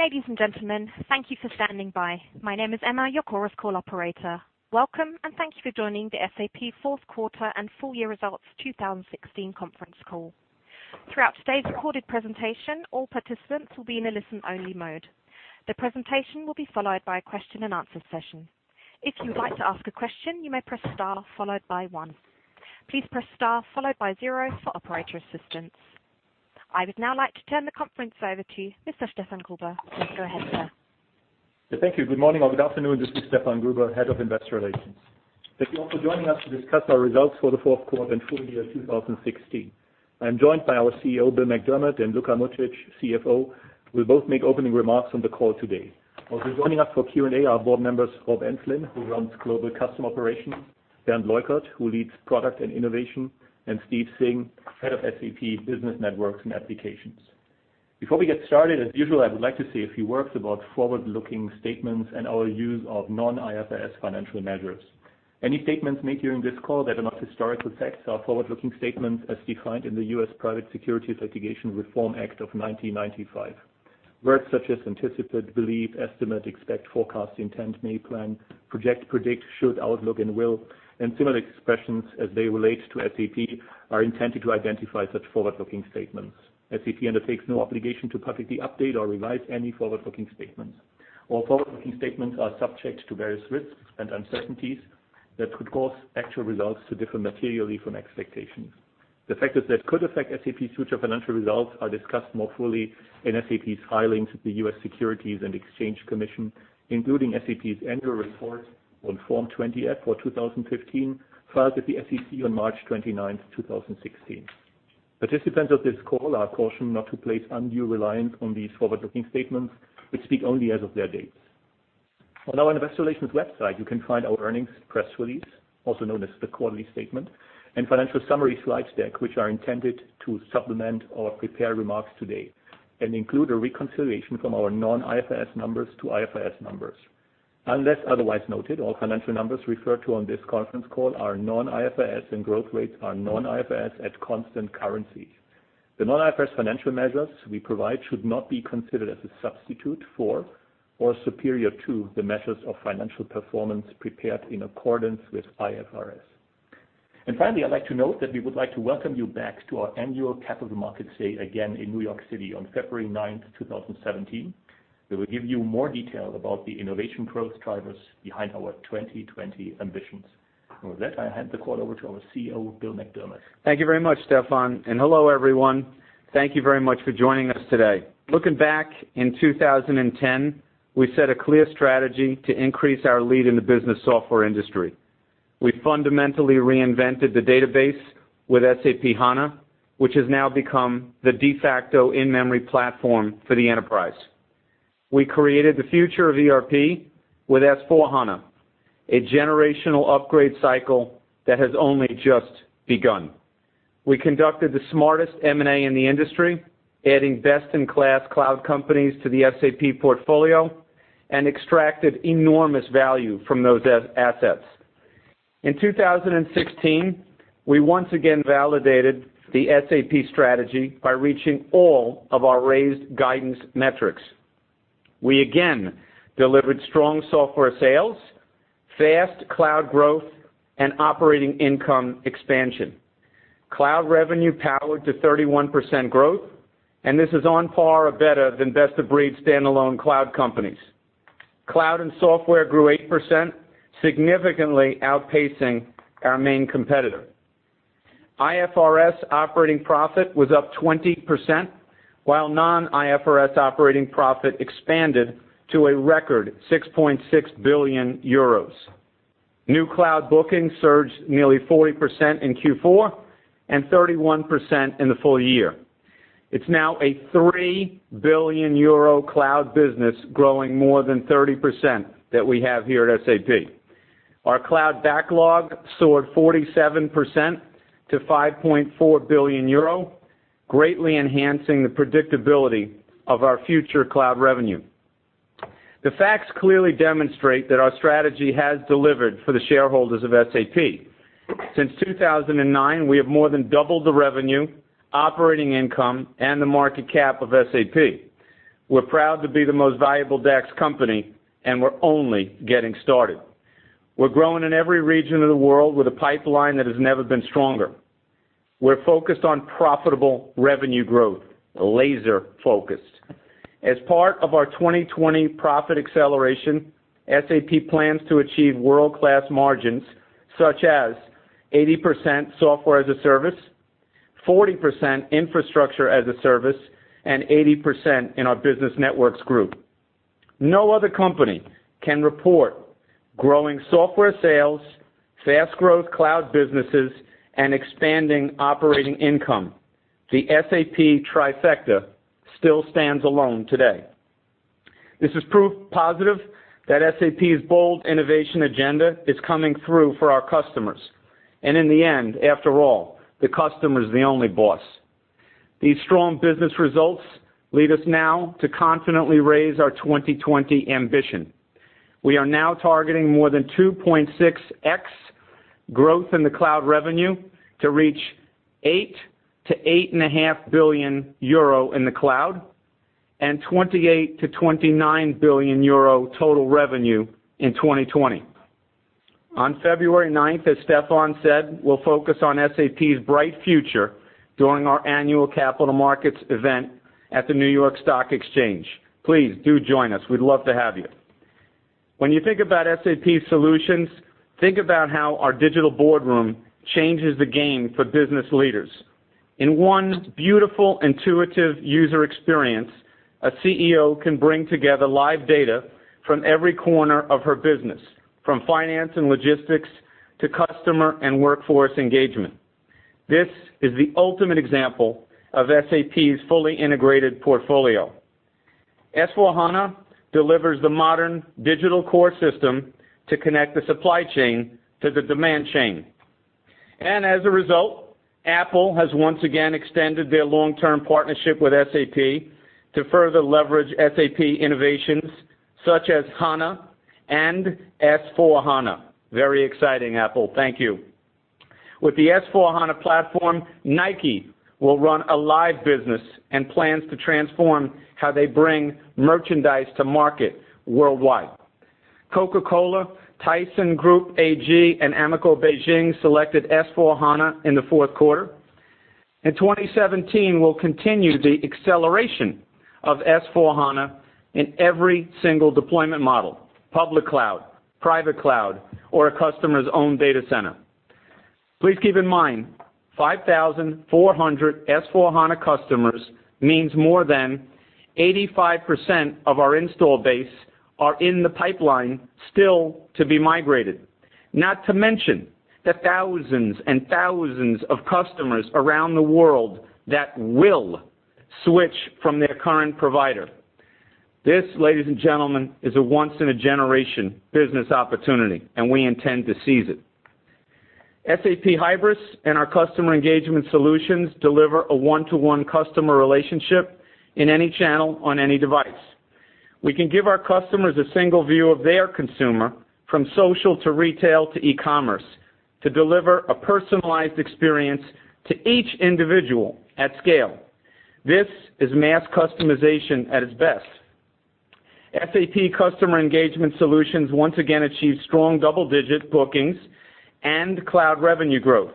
Ladies and gentlemen, thank you for standing by. My name is Emma, your Chorus Call operator. Welcome and thank you for joining the SAP fourth quarter and full year results 2016 conference call. Throughout today's recorded presentation, all participants will be in a listen-only mode. The presentation will be followed by a question and answer session. If you would like to ask a question, you may press star followed by one. Please press star followed by zero for operator assistance. I would now like to turn the conference over to Mr. Stefan Gruber. Please go ahead, sir. Thank you. Good morning or good afternoon. This is Stefan Gruber, Head of Investor Relations. Thank you all for joining us to discuss our results for the fourth quarter and full year 2016. I am joined by our CEO, Bill McDermott, and Luka Mucic, CFO, who will both make opening remarks on the call today. Also joining us for Q&A are board members Rob Enslin, who runs Global Customer Operations, Bernd Leukert, who leads Products & Innovation, and Steve Singh, Head of SAP Business Networks and Applications. Before we get started, as usual, I would like to say a few words about forward-looking statements and our use of non-IFRS financial measures. Any statements made during this call that are not historical facts are forward-looking statements as defined in the U.S. Private Securities Litigation Reform Act of 1995. Words such as anticipate, believe, estimate, expect, forecast, intend, may, plan, project, predict, should, outlook, and will, and similar expressions as they relate to SAP, are intended to identify such forward-looking statements. SAP undertakes no obligation to publicly update or revise any forward-looking statements. All forward-looking statements are subject to various risks and uncertainties that could cause actual results to differ materially from expectations. The factors that could affect SAP's future financial results are discussed more fully in SAP's filings with the U.S. Securities and Exchange Commission, including SAP's annual report on Form 20-F for 2015, filed with the SEC on March 29th, 2016. Participants of this call are cautioned not to place undue reliance on these forward-looking statements, which speak only as of their dates. On our Investor Relations website, you can find our earnings press release, also known as the quarterly statement, and financial summary slides deck, which are intended to supplement or prepare remarks today and include a reconciliation from our non-IFRS numbers to IFRS numbers. Unless otherwise noted, all financial numbers referred to on this conference call are non-IFRS, and growth rates are non-IFRS at constant currency. The non-IFRS financial measures we provide should not be considered as a substitute for or superior to the measures of financial performance prepared in accordance with IFRS. Finally, I'd like to note that we would like to welcome you back to our annual Capital Markets Day again in New York City on February 9th, 2017. We will give you more detail about the innovation growth drivers behind our 2020 ambitions. With that, I hand the call over to our CEO, Bill McDermott. Thank you very much, Stefan, hello everyone. Thank you very much for joining us today. Looking back in 2010, we set a clear strategy to increase our lead in the business software industry. We fundamentally reinvented the database with SAP HANA, which has now become the de facto in-memory platform for the enterprise. We created the future of ERP with S/4HANA, a generational upgrade cycle that has only just begun. We conducted the smartest M&A in the industry, adding best-in-class cloud companies to the SAP portfolio and extracted enormous value from those assets. In 2016, we once again validated the SAP strategy by reaching all of our raised guidance metrics. We again delivered strong software sales, fast cloud growth, and operating income expansion. Cloud revenue powered to 31% growth. This is on par or better than best-of-breed standalone cloud companies. Cloud and software grew 8%, significantly outpacing our main competitor. IFRS operating profit was up 20%, while non-IFRS operating profit expanded to a record 6.6 billion euros. New cloud bookings surged nearly 40% in Q4 and 31% in the full year. It's now a 3 billion euro cloud business growing more than 30% that we have here at SAP. Our cloud backlog soared 47% to 5.4 billion euro, greatly enhancing the predictability of our future cloud revenue. The facts clearly demonstrate that our strategy has delivered for the shareholders of SAP. Since 2009, we have more than doubled the revenue, operating income, and the market cap of SAP. We're proud to be the most valuable DAX company. We're only getting started. We're growing in every region of the world with a pipeline that has never been stronger. We're focused on profitable revenue growth, laser focused. As part of our 2020 profit acceleration, SAP plans to achieve world-class margins such as 80% software as a service, 40% infrastructure as a service, and 80% in our business networks group. No other company can report growing software sales, fast growth cloud businesses, and expanding operating income. The SAP trifecta still stands alone today. This is proof positive that SAP's bold innovation agenda is coming through for our customers. In the end, after all, the customer is the only boss. These strong business results lead us now to confidently raise our 2020 ambition. We are now targeting more than 2.6x Growth in the cloud revenue to reach 8 billion-8.5 billion euro in the cloud, and 28 billion-29 billion euro total revenue in 2020. On February 9th, as Stefan said, we'll focus on SAP's bright future during our annual Capital Markets Day at the New York Stock Exchange. Please do join us. We'd love to have you. When you think about SAP solutions, think about how our Digital Boardroom changes the game for business leaders. In one beautiful, intuitive user experience, a CEO can bring together live data from every corner of her business, from finance and logistics to customer and workforce engagement. This is the ultimate example of SAP's fully integrated portfolio. S/4HANA delivers the modern digital core system to connect the supply chain to the demand chain. As a result, Apple has once again extended their long-term partnership with SAP to further leverage SAP innovations such as HANA and S/4HANA. Very exciting, Apple. Thank you. With the S/4HANA platform, Nike will run a live business and plans to transform how they bring merchandise to market worldwide. Coca-Cola, Tyson Foods, and Ameco Beijing selected S/4HANA in the fourth quarter. In 2017, we'll continue the acceleration of S/4HANA in every single deployment model, public cloud, private cloud, or a customer's own data center. Please keep in mind, 5,400 S/4HANA customers means more than 85% of our install base are in the pipeline still to be migrated. Not to mention the thousands and thousands of customers around the world that will switch from their current provider. This, ladies and gentlemen, is a once in a generation business opportunity, and we intend to seize it. SAP Hybris and our customer engagement solutions deliver a one-to-one customer relationship in any channel on any device. We can give our customers a single view of their consumer, from social to retail to e-commerce, to deliver a personalized experience to each individual at scale. This is mass customization at its best. SAP customer engagement solutions once again achieved strong double-digit bookings and cloud revenue growth.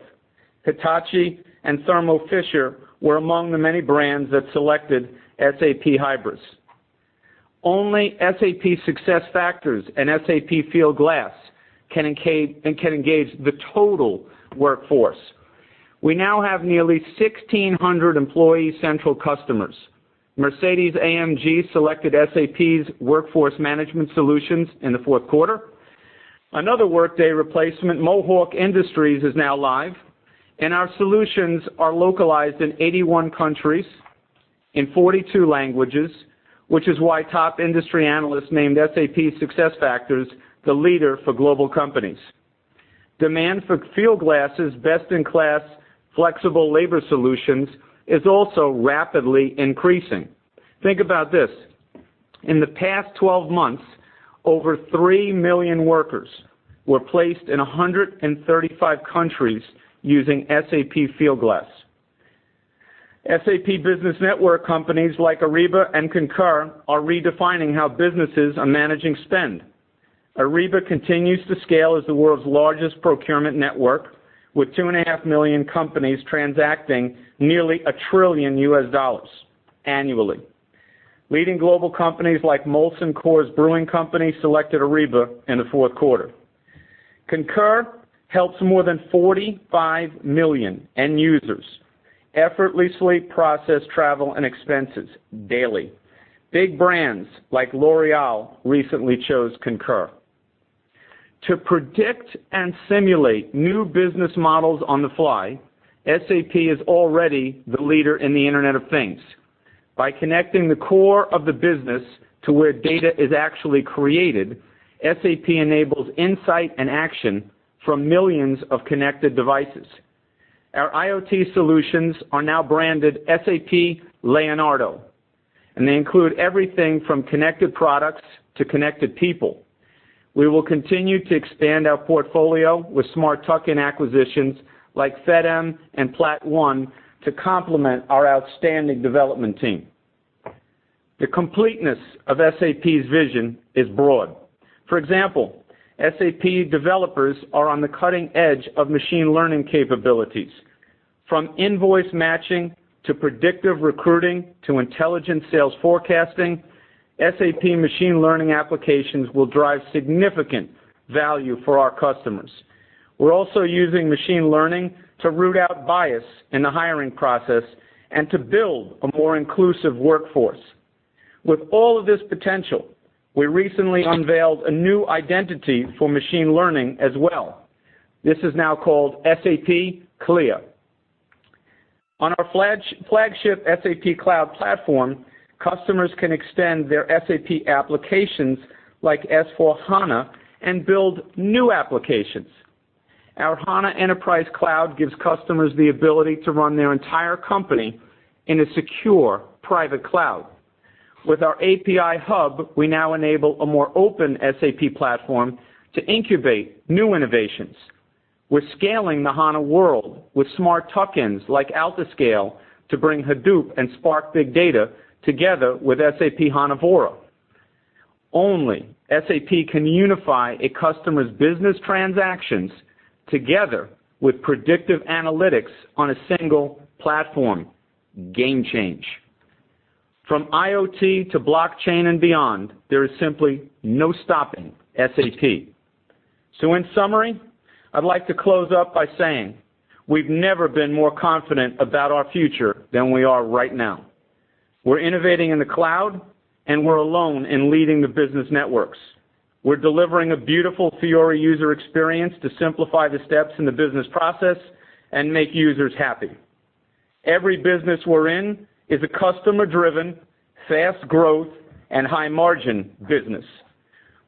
Hitachi and Thermo Fisher were among the many brands that selected SAP Hybris. Only SAP SuccessFactors and SAP Fieldglass can engage the total workforce. We now have nearly 1,600 Employee Central customers. Mercedes-AMG selected SAP's workforce management solutions in the fourth quarter. Another Workday replacement, Mohawk Industries, is now live, and our solutions are localized in 81 countries, in 42 languages, which is why top industry analysts named SAP SuccessFactors the leader for global companies. Demand for Fieldglass' best-in-class flexible labor solutions is also rapidly increasing. Think about this. In the past 12 months, over 3 million workers were placed in 135 countries using SAP Fieldglass. SAP business network companies like Ariba and Concur are redefining how businesses are managing spend. Ariba continues to scale as the world's largest procurement network with two and a half million companies transacting nearly $1 trillion annually. Leading global companies like Molson Coors Brewing Company selected Ariba in the fourth quarter. Concur helps more than 45 million end users effortlessly process travel and expenses daily. Big brands like L'Oréal recently chose Concur. To predict and simulate new business models on the fly, SAP is already the leader in the Internet of Things. By connecting the core of the business to where data is actually created, SAP enables insight and action from millions of connected devices. Our IoT solutions are now branded SAP Leonardo, and they include everything from connected products to connected people. We will continue to expand our portfolio with smart tuck-in acquisitions like Fedem Technology and PLAT.ONE to complement our outstanding development team. The completeness of SAP's vision is broad. For example, SAP developers are on the cutting edge of machine learning capabilities. From invoice matching to predictive recruiting to intelligent sales forecasting, SAP machine learning applications will drive significant value for our customers. We're also using machine learning to root out bias in the hiring process and to build a more inclusive workforce. With all of this potential, we recently unveiled a new identity for machine learning as well. This is now called SAP Clea. On our flagship SAP Cloud Platform, customers can extend their SAP applications like S/4HANA and build new applications. Our SAP HANA Enterprise Cloud gives customers the ability to run their entire company in a secure private cloud. With our SAP API Business Hub, we now enable a more open SAP platform to incubate new innovations. We're scaling the HANA world with smart tuck-ins like Altiscale to bring Hadoop and Apache Spark big data together with SAP HANA Vora. Only SAP can unify a customer's business transactions together with predictive analytics on a single platform. Game change. From IoT to blockchain and beyond, there is simply no stopping SAP. In summary, I'd like to close up by saying, we've never been more confident about our future than we are right now. We're innovating in the cloud, and we're alone in leading the business networks. We're delivering a beautiful Fiori user experience to simplify the steps in the business process and make users happy. Every business we're in is a customer-driven, fast growth, and high margin business.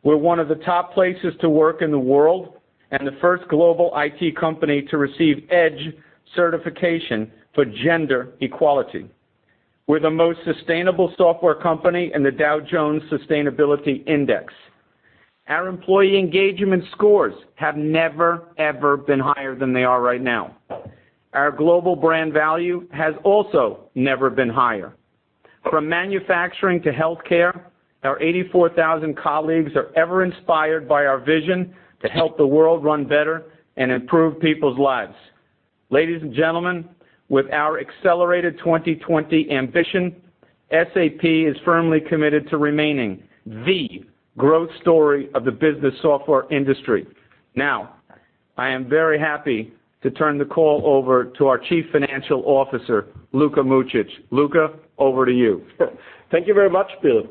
We're one of the top places to work in the world, and the first global IT company to receive EDGE certification for gender equality. We're the most sustainable software company in the Dow Jones Sustainability Index. Our employee engagement scores have never, ever been higher than they are right now. Our global brand value has also never been higher. From manufacturing to healthcare, our 84,000 colleagues are ever inspired by our vision to help the world run better and improve people's lives. Ladies and gentlemen, with our accelerated 2020 ambition, SAP is firmly committed to remaining the growth story of the business software industry. I am very happy to turn the call over to our Chief Financial Officer, Luka Mucic. Luka, over to you. Thank you very much, Bill.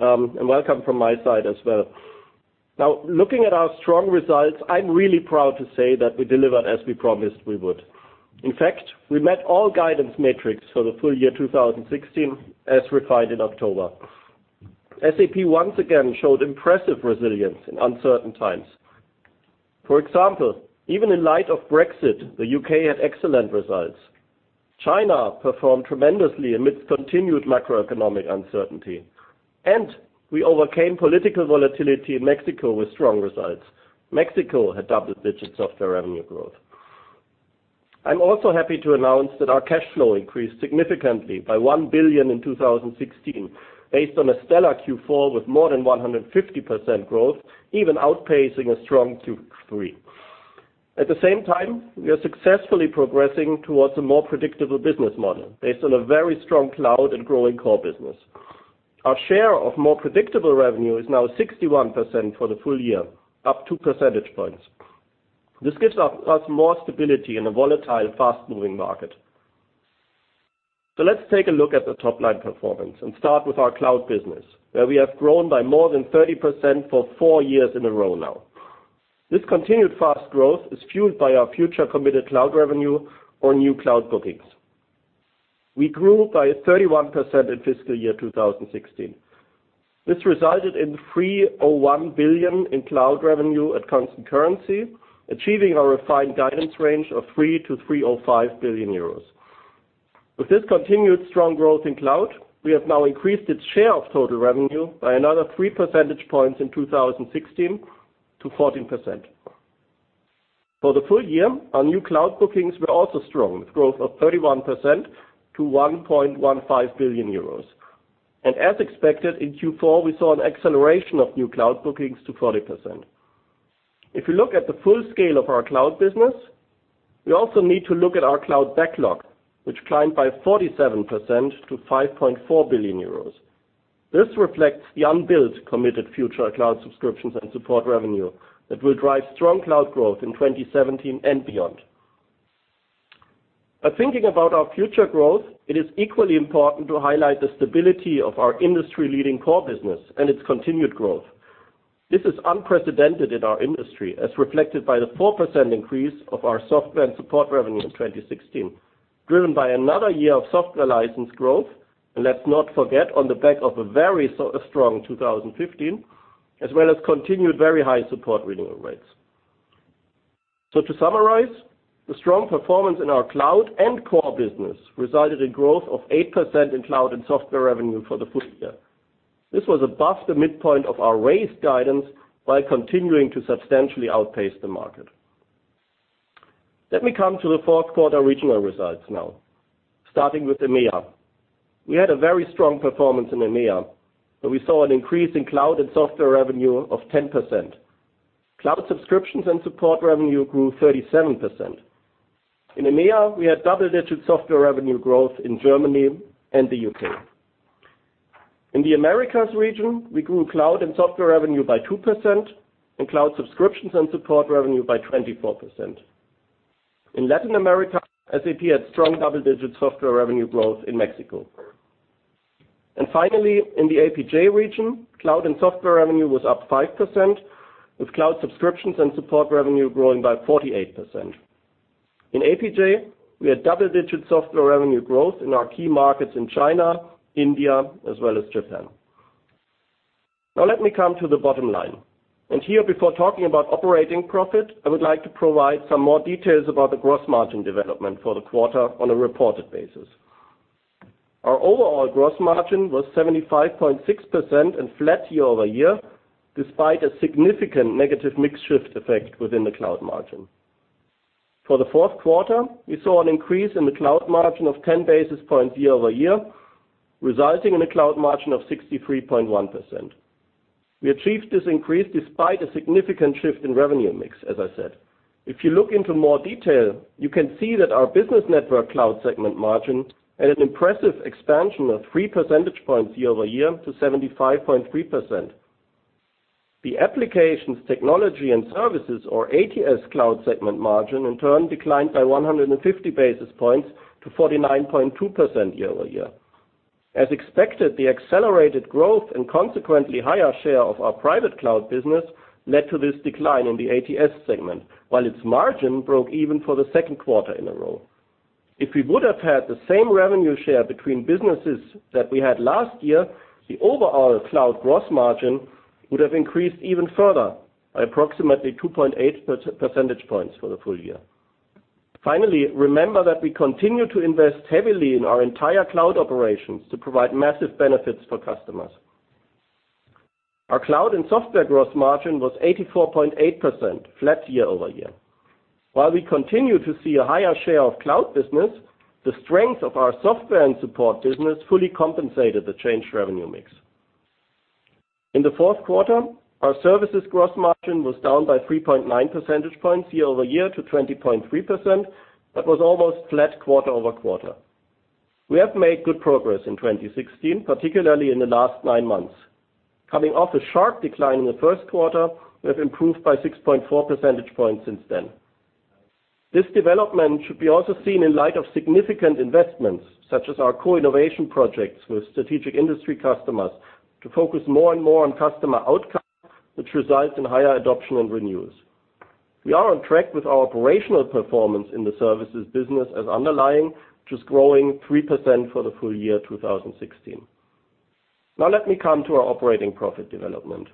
Welcome from my side as well. Looking at our strong results, I'm really proud to say that we delivered as we promised we would. In fact, we met all guidance metrics for the full year 2016, as refined in October. SAP once again showed impressive resilience in uncertain times. For example, even in light of Brexit, the U.K. had excellent results. China performed tremendously amidst continued macroeconomic uncertainty, and we overcame political volatility in Mexico with strong results. Mexico had double-digit software revenue growth. I'm also happy to announce that our cash flow increased significantly by 1 billion in 2016, based on a stellar Q4 with more than 150% growth, even outpacing a strong Q3. At the same time, we are successfully progressing towards a more predictable business model based on a very strong cloud and growing core business. Our share of more predictable revenue is now 61% for the full year, up 2 percentage points. This gives us more stability in a volatile, fast-moving market. Let's take a look at the top-line performance and start with our cloud business, where we have grown by more than 30% for four years in a row now. This continued fast growth is fueled by our future committed cloud revenue or new cloud bookings. We grew by 31% in fiscal year 2016. This resulted in 301 billion in cloud revenue at constant currency, achieving our refined guidance range of 300 billion-305 billion euros. With this continued strong growth in cloud, we have now increased its share of total revenue by another three percentage points in 2016 to 14%. For the full year, our new cloud bookings were also strong, with growth of 31% to 1.15 billion euros. As expected, in Q4, we saw an acceleration of new cloud bookings to 40%. If you look at the full scale of our cloud business, we also need to look at our cloud backlog, which climbed by 47% to 5.4 billion euros. This reflects the unbilled committed future cloud subscriptions and support revenue that will drive strong cloud growth in 2017 and beyond. Thinking about our future growth, it is equally important to highlight the stability of our industry-leading core business and its continued growth. This is unprecedented in our industry, as reflected by the 4% increase of our software and support revenue in 2016, driven by another year of software license growth, and let's not forget on the back of a very strong 2015, as well as continued very high support renewal rates. To summarize, the strong performance in our cloud and core business resulted in growth of 8% in cloud and software revenue for the full year. This was above the midpoint of our raised guidance while continuing to substantially outpace the market. Let me come to the fourth quarter regional results now. Starting with EMEA. We had a very strong performance in EMEA, where we saw an increase in cloud and software revenue of 10%. Cloud subscriptions and support revenue grew 37%. In EMEA, we had double-digit software revenue growth in Germany and the U.K. In the Americas region, we grew cloud and software revenue by 2%, and cloud subscriptions and support revenue by 24%. In Latin America, SAP had strong double-digit software revenue growth in Mexico. Finally, in the APJ region, cloud and software revenue was up 5%, with cloud subscriptions and support revenue growing by 48%. In APJ, we had double-digit software revenue growth in our key markets in China, India, as well as Japan. Let me come to the bottom line. Here, before talking about operating profit, I would like to provide some more details about the gross margin development for the quarter on a reported basis. Our overall gross margin was 75.6% and flat year-over-year, despite a significant negative mix shift effect within the cloud margin. For the fourth quarter, we saw an increase in the cloud margin of 10 basis points year-over-year, resulting in a cloud margin of 63.1%. We achieved this increase despite a significant shift in revenue mix, as I said. If you look into more detail, you can see that our business network cloud segment margin had an impressive expansion of three percentage points year-over-year to 75.3%. The applications, technology and services, or ATS cloud segment margin in turn declined by 150 basis points to 49.2% year-over-year. As expected, the accelerated growth and consequently higher share of our private cloud business led to this decline in the ATS segment, while its margin broke even for the second quarter in a row. If we would have had the same revenue share between businesses that we had last year, the overall cloud gross margin would have increased even further by approximately 2.8 percentage points for the full year. Finally, remember that we continue to invest heavily in our entire cloud operations to provide massive benefits for customers. Our cloud and software gross margin was 84.8%, flat year-over-year. While we continue to see a higher share of cloud business, the strength of our software and support business fully compensated the changed revenue mix. In the fourth quarter, our services gross margin was down by 3.9 percentage points year-over-year to 20.3%, but was almost flat quarter-over-quarter. We have made good progress in 2016, particularly in the last 9 months. Coming off a sharp decline in the first quarter, we have improved by 6.4 percentage points since then. This development should be also seen in light of significant investments, such as our co-innovation projects with strategic industry customers to focus more and more on customer outcomes, which results in higher adoption and renewals. We are on track with our operational performance in the services business as underlying, which is growing 3% for the full year 2016. Let me come to our operating profit development.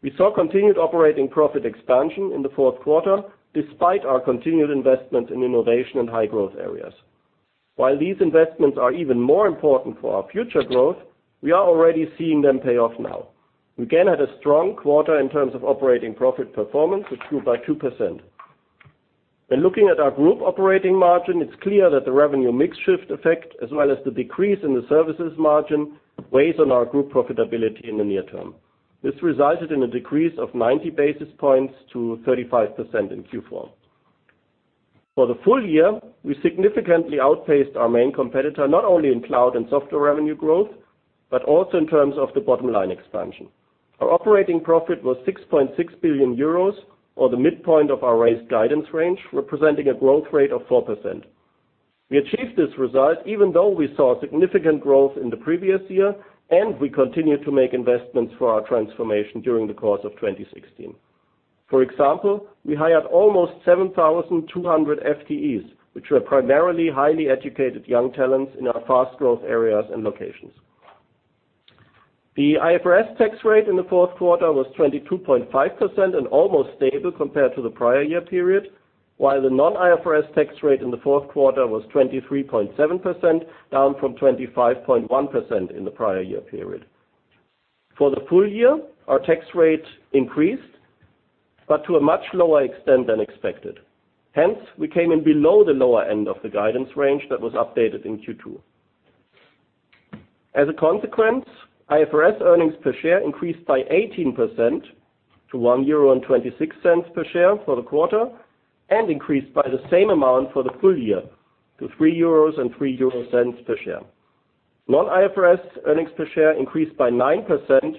We saw continued operating profit expansion in the fourth quarter, despite our continued investment in innovation and high growth areas. These investments are even more important for our future growth, we are already seeing them pay off now. We again had a strong quarter in terms of operating profit performance, which grew by 2%. In looking at our group operating margin, it is clear that the revenue mix shift effect, as well as the decrease in the services margin, weighs on our group profitability in the near term. This resulted in a decrease of 90 basis points to 35% in Q4. For the full year, we significantly outpaced our main competitor, not only in cloud and software revenue growth, but also in terms of the bottom line expansion. Our operating profit was 6.6 billion euros, or the midpoint of our raised guidance range, representing a growth rate of 4%. We achieved this result even though we saw significant growth in the previous year, and we continued to make investments for our transformation during the course of 2016. For example, we hired almost 7,200 FTEs, which were primarily highly educated young talents in our fast growth areas and locations. The IFRS tax rate in the fourth quarter was 22.5% and almost stable compared to the prior year period, while the non-IFRS tax rate in the fourth quarter was 23.7%, down from 25.1% in the prior year period. For the full year, our tax rate increased, but to a much lower extent than expected. Hence, we came in below the lower end of the guidance range that was updated in Q2. As a consequence, IFRS earnings per share increased by 18% to 1.26 euro per share for the quarter, and increased by the same amount for the full year to 3.03 euros per share. Non-IFRS earnings per share increased by 9% to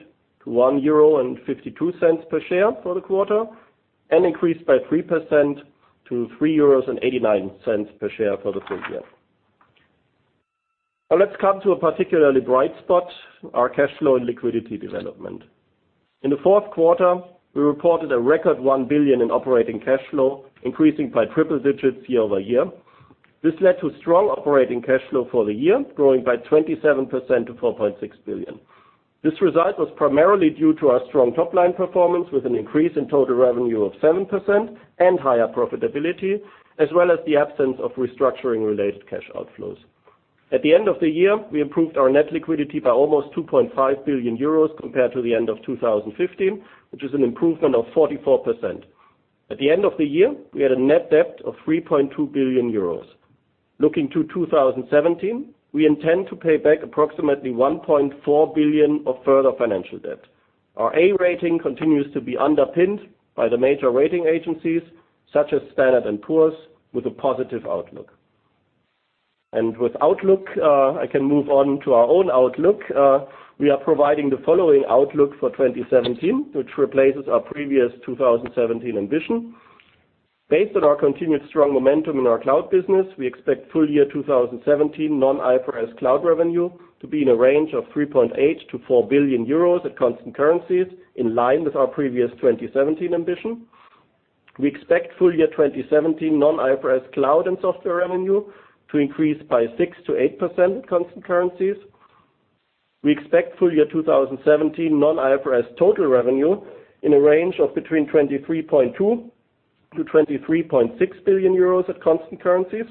1.52 euro per share for the quarter, and increased by 3% to 3.89 euros per share for the full year. Let's come to a particularly bright spot, our cash flow and liquidity development. In the fourth quarter, we reported a record 1 billion in operating cash flow, increasing by triple digits year-over-year. This led to strong operating cash flow for the year, growing by 27% to 4.6 billion. This result was primarily due to our strong top-line performance, with an increase in total revenue of 7% and higher profitability, as well as the absence of restructuring-related cash outflows. At the end of the year, we improved our net liquidity by almost 2.5 billion euros compared to the end of 2015, which is an improvement of 44%. At the end of the year, we had a net debt of 3.2 billion euros. Looking to 2017, we intend to pay back approximately 1.4 billion of further financial debt. Our A rating continues to be underpinned by the major rating agencies such as Standard & Poor's, with a positive outlook. With outlook, I can move on to our own outlook. We are providing the following outlook for 2017, which replaces our previous 2017 ambition. Based on our continued strong momentum in our cloud business, we expect full year 2017 non-IFRS cloud revenue to be in a range of 3.8 billion-4 billion euros at constant currencies, in line with our previous 2017 ambition. We expect full year 2017 non-IFRS cloud and software revenue to increase by 6%-8% at constant currencies. We expect full year 2017 non-IFRS total revenue in a range of between 23.2 billion-23.6 billion euros at constant currencies.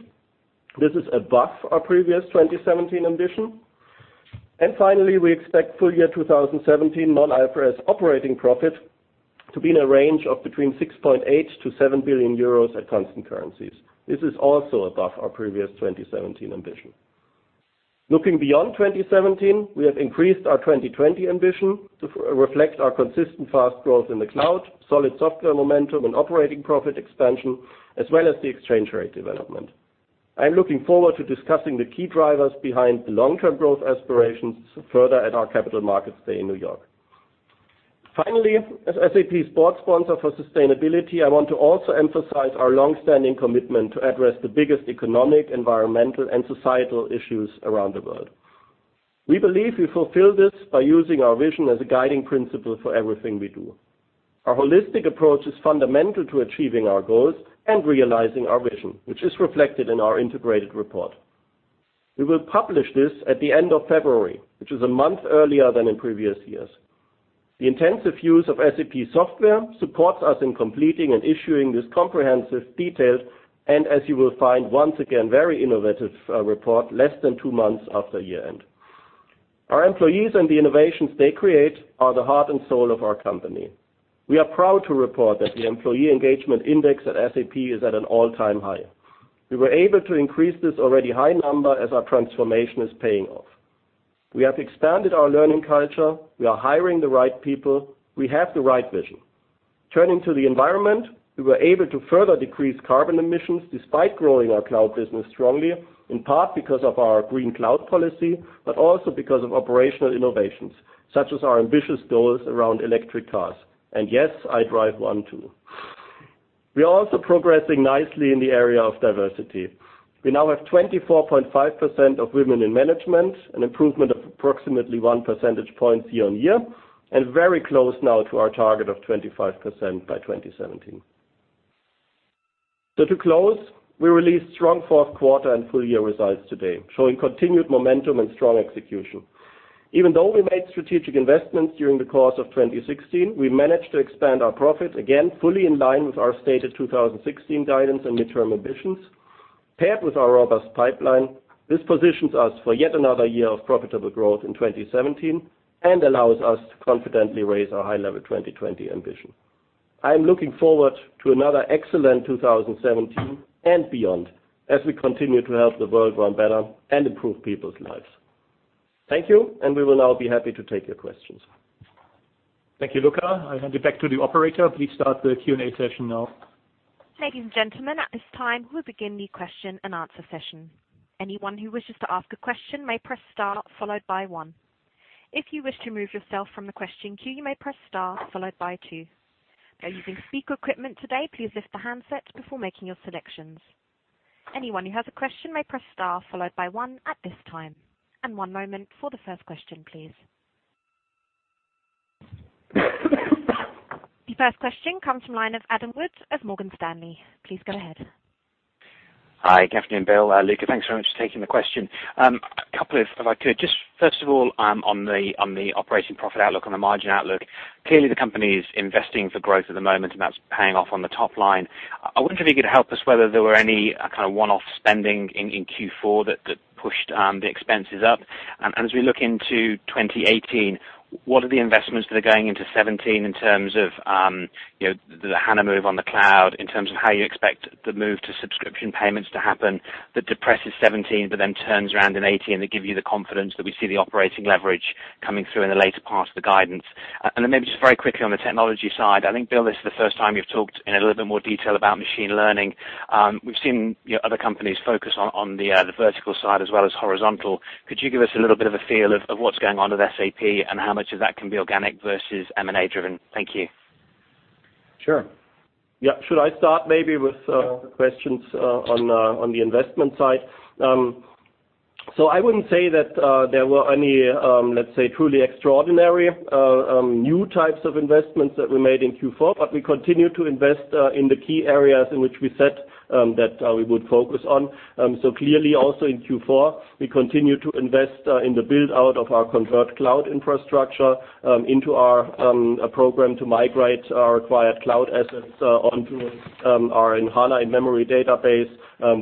This is above our previous 2017 ambition. Finally, we expect full year 2017 non-IFRS operating profit to be in a range of between 6.8 billion-7 billion euros at constant currencies. This is also above our previous 2017 ambition. Looking beyond 2017, we have increased our 2020 ambition to reflect our consistent fast growth in the cloud, solid software momentum and operating profit expansion, as well as the exchange rate development. I am looking forward to discussing the key drivers behind the long-term growth aspirations further at our Capital Markets Day in New York. Finally, as SAP sport sponsor for sustainability, I want to also emphasize our long-standing commitment to address the biggest economic, environmental, and societal issues around the world. We believe we fulfill this by using our vision as a guiding principle for everything we do. Our holistic approach is fundamental to achieving our goals and realizing our vision, which is reflected in our integrated report. We will publish this at the end of February, which is a month earlier than in previous years. The intensive use of SAP software supports us in completing and issuing this comprehensive detail, and as you will find, once again, very innovative report less than two months after year-end. Our employees and the innovations they create are the heart and soul of our company. We are proud to report that the employee engagement index at SAP is at an all-time high. We were able to increase this already high number as our transformation is paying off. We have expanded our learning culture, we are hiring the right people, we have the right vision. Turning to the environment, we were able to further decrease carbon emissions despite growing our cloud business strongly, in part because of our green cloud policy, but also because of operational innovations, such as our ambitious goals around electric cars. Yes, I drive one too. We are also progressing nicely in the area of diversity. We now have 24.5% of women in management, an improvement of approximately one percentage point year-over-year, and very close now to our target of 25% by 2017. To close, we released strong fourth quarter and full-year results today, showing continued momentum and strong execution. Even though we made strategic investments during the course of 2016, we managed to expand our profit, again, fully in line with our stated 2016 guidance and midterm ambitions. Paired with our robust pipeline, this positions us for yet another year of profitable growth in 2017 and allows us to confidently raise our high-level 2020 ambition. I am looking forward to another excellent 2017 and beyond as we continue to help the world run better and improve people's lives. Thank you, and we will now be happy to take your questions. Thank you, Luka. I hand it back to the operator. Please start the Q&A session now. Ladies and gentlemen, at this time, we begin the question and answer session. Anyone who wishes to ask a question may press star followed by one. If you wish to remove yourself from the question queue, you may press star followed by two. If you're using speaker equipment today, please lift the handset before making your selections. Anyone who has a question may press star followed by one at this time. One moment for the first question, please. The first question comes from line of Adam Wood of Morgan Stanley. Please go ahead. Hi. Good afternoon, Bill, Luka. Thanks very much for taking the question. A couple, if I could. Just first of all, on the operating profit outlook, on the margin outlook. Clearly the company is investing for growth at the moment, and that's paying off on the top line. I wonder if you could help us whether there were any kind of one-off spending in Q4 that pushed the expenses up. As we look into 2018, what are the investments that are going into '17 in terms of the HANA move on the cloud, in terms of how you expect the move to subscription payments to happen that depresses '17, but then turns around in '18 to give you the confidence that we see the operating leverage coming through in the later part of the guidance. Then maybe just very quickly on the technology side, I think, Bill, this is the first time you've talked in a little bit more detail about machine learning. We've seen other companies focus on the vertical side as well as horizontal. Could you give us a little bit of a feel of what's going on with SAP and how much of that can be organic versus M&A driven? Thank you. Sure. Yeah. Should I start maybe with the questions on the investment side? I wouldn't say that there were any, let's say, truly extraordinary, new types of investments that we made in Q4, but we continue to invest in the key areas in which we said that we would focus on. Clearly also in Q4, we continue to invest in the build-out of our Concur cloud infrastructure into our program to migrate our acquired cloud assets onto our SAP HANA in-memory database.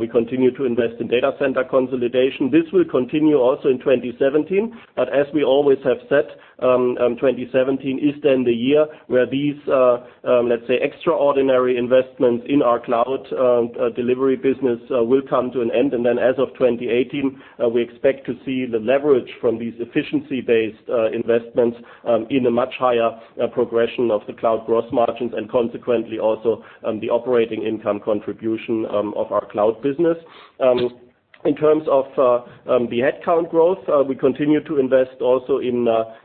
We continue to invest in data center consolidation. This will continue also in 2017. As we always have said, 2017 is then the year where these, let's say, extraordinary investments in our cloud delivery business will come to an end. As of 2018, we expect to see the leverage from these efficiency-based investments in a much higher progression of the cloud gross margins and consequently also the operating income contribution of our cloud business. In terms of the headcount growth, we continue to invest also in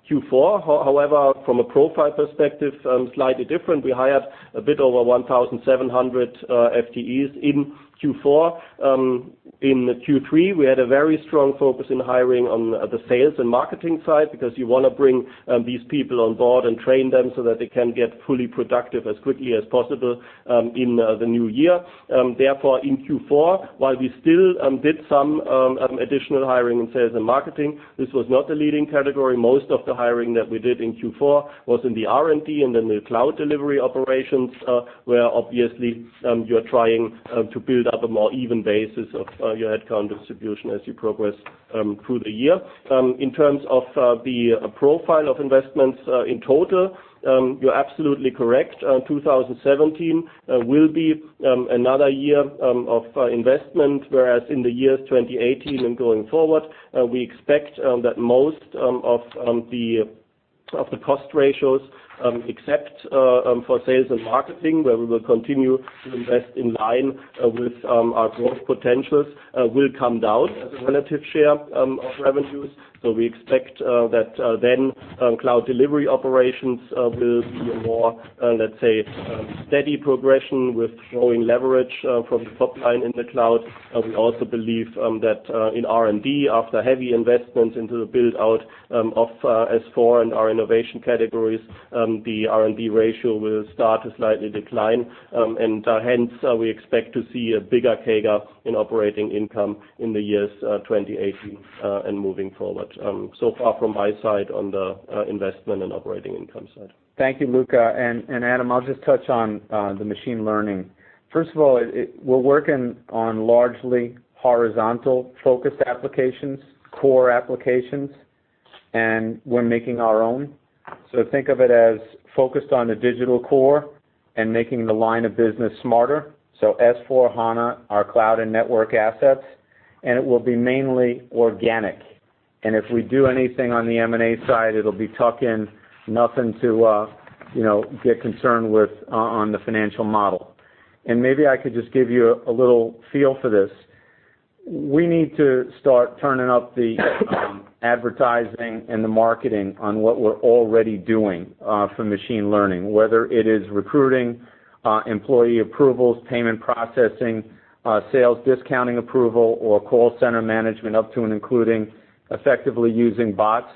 Q4. However, from a profile perspective, slightly different. We hired a bit over 1,700 FTEs in Q4. In Q3, we had a very strong focus in hiring on the sales and marketing side because you want to bring these people on board and train them so that they can get fully productive as quickly as possible in the new year. Therefore, in Q4, while we still did some additional hiring in sales and marketing, this was not the leading category. Most of the hiring that we did in Q4 was in the R&D and in the cloud delivery operations, where obviously you're trying to build up a more even basis of your headcount distribution as you progress through the year. In terms of the profile of investments in total, you're absolutely correct. 2017 will be another year of investment, whereas in the years 2018 and going forward, we expect that most of the cost ratios, except for sales and marketing, where we will continue to invest in line with our growth potentials, will come down as a relative share of revenues. We expect that then cloud delivery operations will be a more, let's say, steady progression with growing leverage from the top line in the cloud. We also believe that in R&D, after heavy investments into the build-out of S/4 and our innovation categories, the R&D ratio will start to slightly decline. Hence, we expect to see a bigger CAGR in operating income in the years 2018 and moving forward. Far from my side on the investment and operating income side. Thank you, Luka. Adam, I'll just touch on the machine learning. First of all, we're working on largely horizontal-focused applications, core applications, we're making our own. Think of it as focused on the digital core and making the line of business smarter. S/4HANA, our cloud and network assets, it will be mainly organic. If we do anything on the M&A side, it'll be tuck-in, nothing to get concerned with on the financial model. Maybe I could just give you a little feel for this. We need to start turning up the advertising and the marketing on what we're already doing for machine learning, whether it is recruiting, employee approvals, payment processing, sales discounting approval, or call center management up to and including effectively using bots.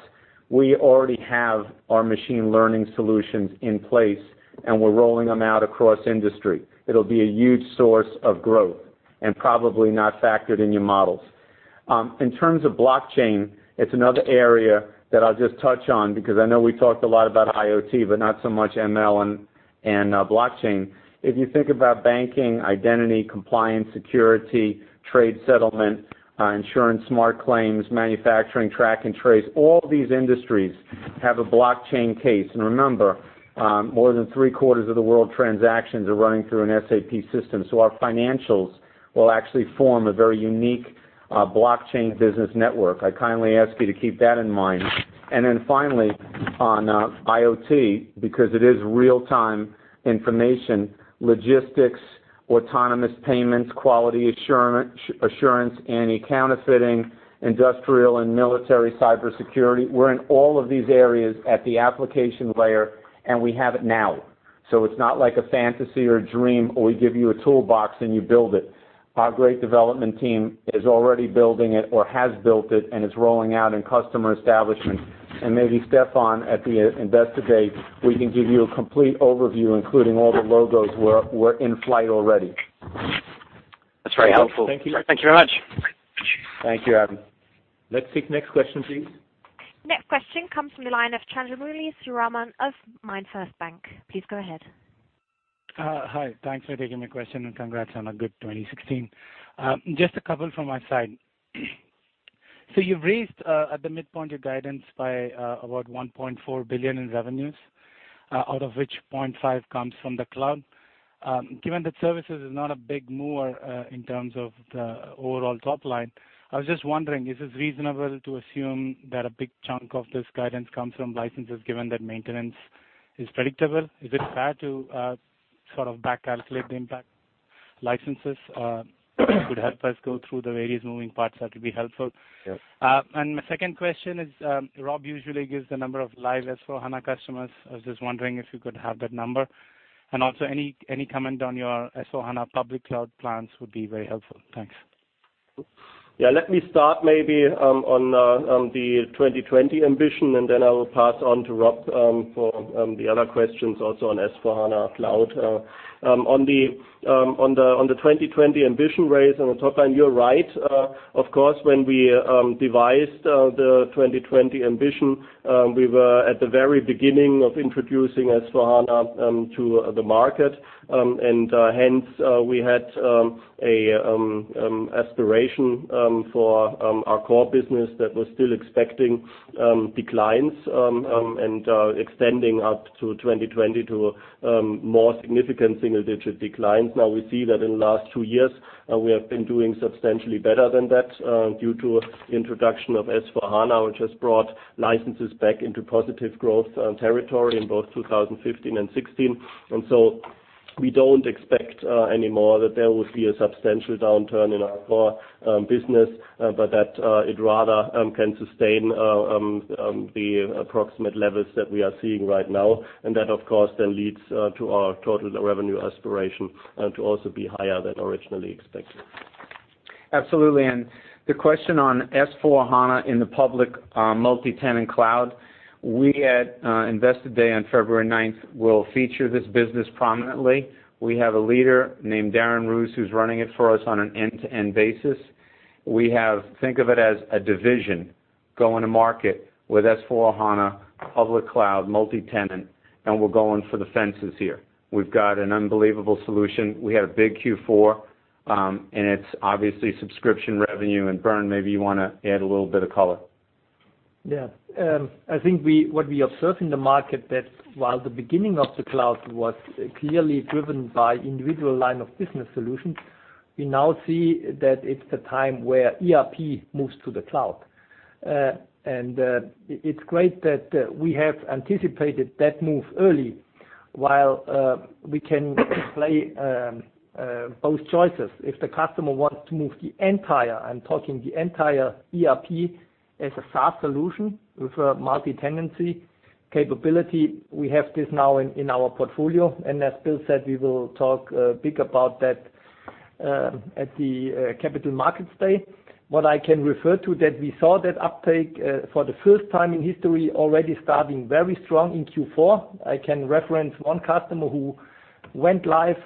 We already have our machine learning solutions in place, and we're rolling them out across industry. It'll be a huge source of growth and probably not factored in your models. In terms of blockchain, it's another area that I'll just touch on because I know we talked a lot about IoT, but not so much ML and blockchain. If you think about banking, identity, compliance, security, trade settlement, insurance, smart claims, manufacturing, track and trace, all these industries have a blockchain case. Remember, more than three-quarters of the world transactions are running through an SAP system. Our financials will actually form a very unique blockchain business network. I kindly ask you to keep that in mind. Then finally on IoT, because it is real-time information, logistics, autonomous payments, quality assurance, anti-counterfeiting, industrial and military cybersecurity. We're in all of these areas at the application layer, and we have it now. It's not like a fantasy or a dream where we give you a toolbox and you build it. Our great development team is already building it or has built it and is rolling out in customer establishments. Maybe Stefan at the Investor Day, we can give you a complete overview, including all the logos who are in flight already. That's very helpful. Thank you. Thank you very much. Thank you, Adam. Let's take next question, please. Next question comes from the line of Chandramouli Sriraman of MainFirst Bank. Please go ahead. Hi. Thanks for taking my question, and congrats on a good 2016. Just a couple from my side. You've raised at the midpoint your guidance by about 1.4 billion in revenues, out of which 0.5 billion comes from the cloud. Given that services is not a big mover in terms of the overall top line, I was just wondering, is it reasonable to assume that a big chunk of this guidance comes from licenses, given that maintenance is predictable? Is it fair to sort of back calculate the impact licenses? If you could help us go through the various moving parts, that would be helpful. Yeah. My second question is, Rob usually gives the number of live S/4HANA customers. I was just wondering if you could have that number. Also any comment on your S/4HANA public cloud plans would be very helpful. Thanks. Let me start maybe on the 2020 ambition. I will pass on to Rob for the other questions also on S/4HANA Cloud. On the 2020 ambition raise on the top line, you're right. Of course, when we devised the 2020 ambition, we were at the very beginning of introducing S/4HANA to the market. We had an aspiration for our core business that was still expecting declines and extending up to 2020 to more significant single-digit declines. We see that in the last two years, we have been doing substantially better than that due to introduction of S/4HANA, which has brought licenses back into positive growth territory in both 2015 and 2016. We don't expect anymore that there will be a substantial downturn in our core business, but that it rather can sustain the approximate levels that we are seeing right now. That, of course, then leads to our total revenue aspiration to also be higher than originally expected. Absolutely. The question on S/4HANA in the public multitenant cloud, we at Investor Day on February 9th will feature this business prominently. We have a leader named Darren Roos, who's running it for us on an end-to-end basis. Think of it as a division going to market with S/4HANA, public cloud, multitenant, and we're going for the fences here. We've got an unbelievable solution. We had a big Q4, and it's obviously subscription revenue. Bernd, maybe you want to add a little bit of color. I think what we observe in the market that while the beginning of the cloud was clearly driven by individual line of business solutions, we now see that it's the time where ERP moves to the cloud. It's great that we have anticipated that move early, while we can play both choices. If the customer wants to move the entire, I'm talking the entire ERP as a SaaS solution with a multitenancy capability, we have this now in our portfolio. As Bill said, we will talk big about that at the Capital Markets Day. What I can refer to that we saw that uptake for the first time in history already starting very strong in Q4. I can reference one customer who went live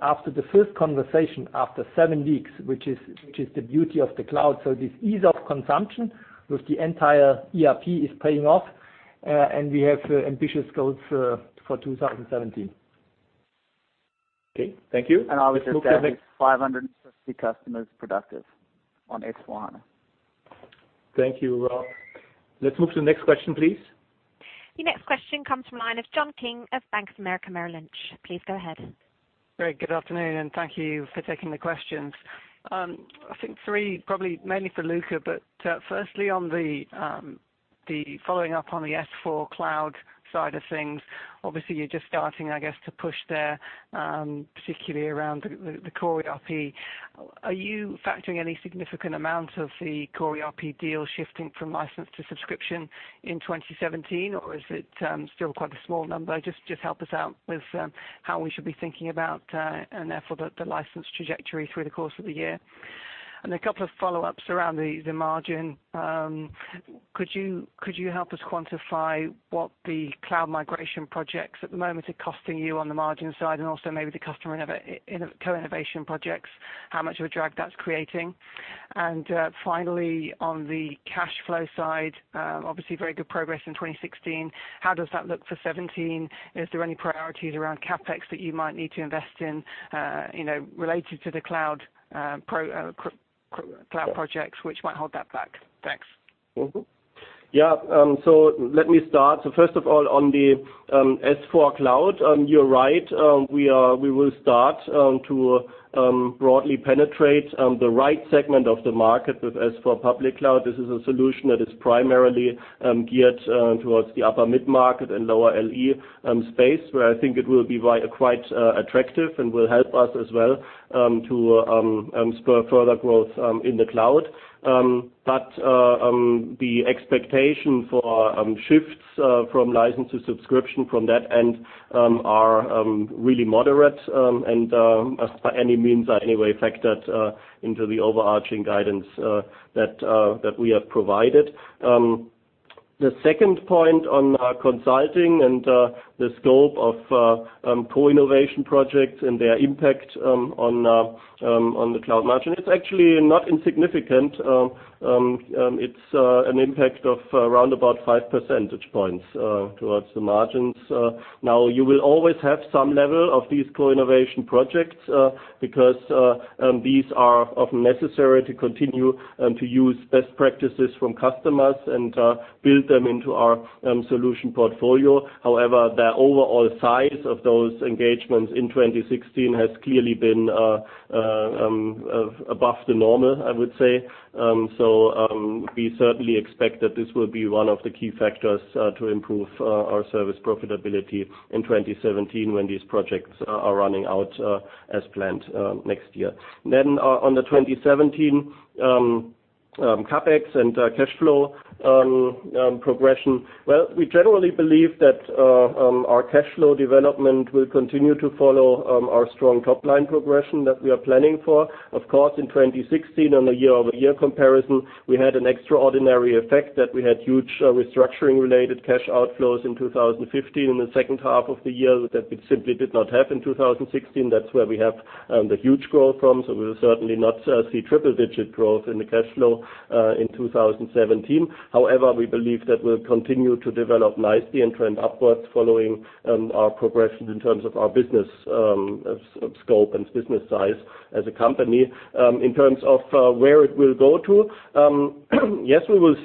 after the first conversation after seven weeks, which is the beauty of the cloud. This ease of consumption with the entire ERP is paying off, and we have ambitious goals for 2017. Okay. Thank you. I would just add 560 customers productive on S/4HANA. Thank you, Rob. Let's move to the next question, please. Your next question comes from line of John King of Bank of America Merrill Lynch. Please go ahead. Very good afternoon. Thank you for taking the questions. I think three, probably mainly for Luka. Firstly on the following up on the S/4 cloud side of things, obviously you're just starting, I guess, to push there, particularly around the core ERP. Are you factoring any significant amount of the core ERP deal shifting from license to subscription in 2017, or is it still quite a small number? Just help us out with how we should be thinking about. Therefore the license trajectory through the course of the year. A couple of follow-ups around the margin. Could you help us quantify what the cloud migration projects at the moment are costing you on the margin side. Also maybe the customer co-innovation projects, how much of a drag that's creating? Finally, on the cash flow side, obviously very good progress in 2016. How does that look for 2017? Is there any priorities around CapEx that you might need to invest in, related to the cloud projects which might hold that back? Thanks. Let me start. First of all, on the S/4 cloud, you're right. We will start to broadly penetrate the right segment of the market with S/4 public cloud. This is a solution that is primarily geared towards the upper mid-market and lower LE space, where I think it will be quite attractive and will help us as well to spur further growth in the cloud. The expectation for shifts from license to subscription from that end are really moderate, and as by any means are anyway factored into the overarching guidance that we have provided. The second point on consulting and the scope of co-innovation projects and their impact on the cloud margin, it's actually not insignificant. It's an impact of around about five percentage points towards the margins. You will always have some level of these co-innovation projects because these are often necessary to continue to use best practices from customers and build them into our solution portfolio. However, the overall size of those engagements in 2016 has clearly been above the normal, I would say. We certainly expect that this will be one of the key factors to improve our service profitability in 2017 when these projects are running out as planned next year. On the 2017 CapEx and cash flow progression. We generally believe that our cash flow development will continue to follow our strong top-line progression that we are planning for. In 2016 on a year-over-year comparison, we had an extraordinary effect that we had huge restructuring-related cash outflows in 2015 in the second half of the year that we simply did not have in 2016. That's where we have the huge growth from. We will certainly not see triple-digit growth in the cash flow in 2017. However, we believe that we'll continue to develop nicely and trend upwards following our progression in terms of our business scope and business size as a company. In terms of where it will go to, yes, we will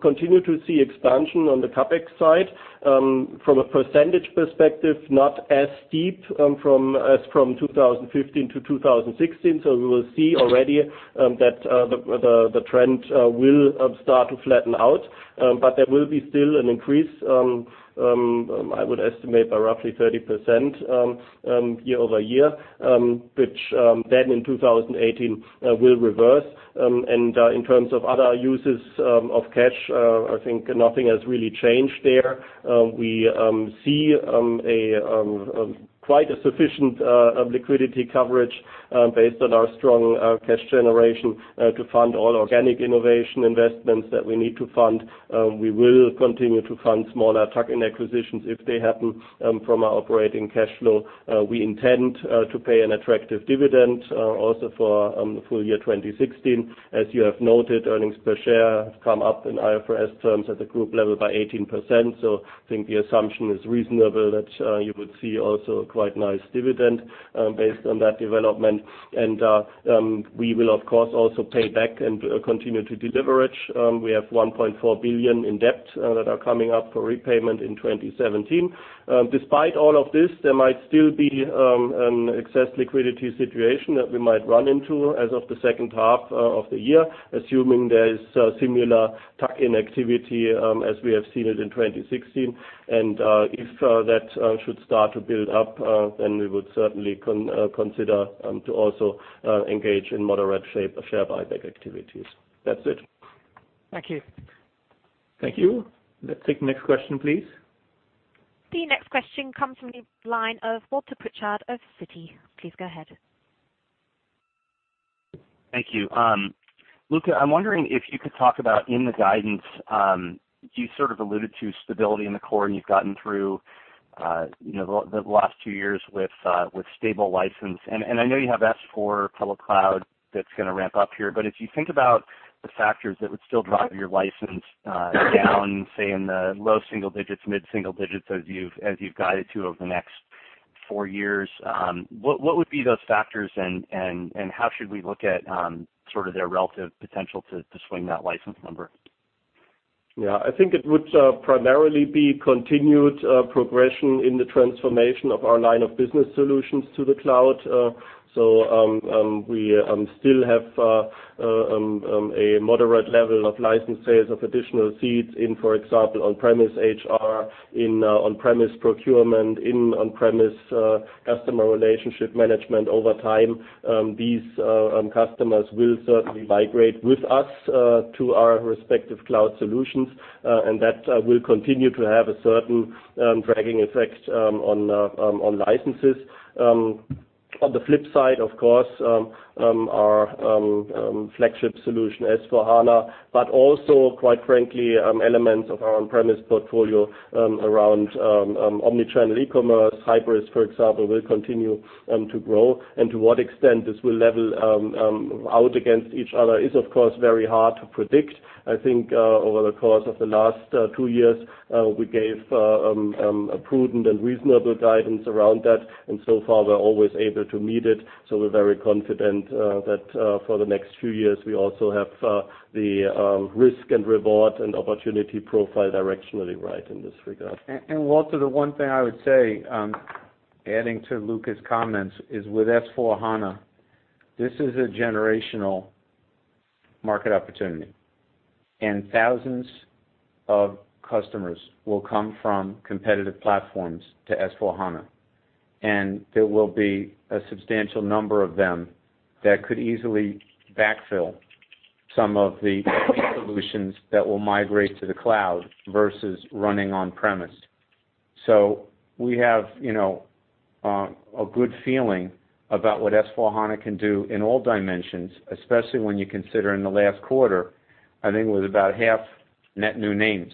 continue to see expansion on the CapEx side. From a percentage perspective, not as steep as from 2015 to 2016. We will see already that the trend will start to flatten out. There will be still an increase, I would estimate by roughly 30% year-over-year, which then in 2018 will reverse. In terms of other uses of cash, I think nothing has really changed there. We see quite a sufficient liquidity coverage based on our strong cash generation to fund all organic innovation investments that we need to fund. We will continue to fund smaller tuck-in acquisitions if they happen from our operating cash flow. We intend to pay an attractive dividend also for the full year 2016. As you have noted, earnings per share have come up in IFRS terms at the group level by 18%. I think the assumption is reasonable that you would see also a quite nice dividend based on that development. We will of course also pay back and continue to deleverage. We have 1.4 billion in debt that are coming up for repayment in 2017. Despite all of this, there might still be an excess liquidity situation that we might run into as of the second half of the year, assuming there is similar tuck-in activity as we have seen it in 2016. If that should start to build up, we would certainly consider to also engage in moderate share buyback activities. That's it. Thank you. Thank you. Let's take next question, please. The next question comes from the line of Walter Pritchard of Citi. Please go ahead. Thank you. Luka, I'm wondering if you could talk about in the guidance, you sort of alluded to stability in the core, and you've gotten through the last two years with stable license. I know you have S/4 Public Cloud that's going to ramp up here, but as you think about the factors that would still drive your license down, say, in the low single digits, mid-single digits as you've guided to over the next four years, what would be those factors, and how should we look at sort of their relative potential to swing that license number? I think it would primarily be continued progression in the transformation of our line of business solutions to the cloud. We still have a moderate level of license sales of additional seats in, for example, on-premise HR, in on-premise procurement, in on-premise customer relationship management over time. These customers will certainly migrate with us to our respective cloud solutions. That will continue to have a certain dragging effect on licenses. On the flip side, of course, our flagship solution, S/4HANA, but also, quite frankly, elements of our on-premise portfolio around omni-channel e-commerce, Hybris, for example, will continue to grow. To what extent this will level out against each other is, of course, very hard to predict. I think, over the course of the last two years, we gave a prudent and reasonable guidance around that, and so far we're always able to meet it. We're very confident that for the next few years, we also have the risk and reward and opportunity profile directionally right in this regard. Walter, the one thing I would say, adding to Luka's comments, is with S/4HANA, this is a generational market opportunity, and thousands of customers will come from competitive platforms to S/4HANA. There will be a substantial number of them that could easily backfill some of the solutions that will migrate to the cloud versus running on-premise. We have a good feeling about what S/4HANA can do in all dimensions, especially when you consider in the last quarter, I think it was about half net new names.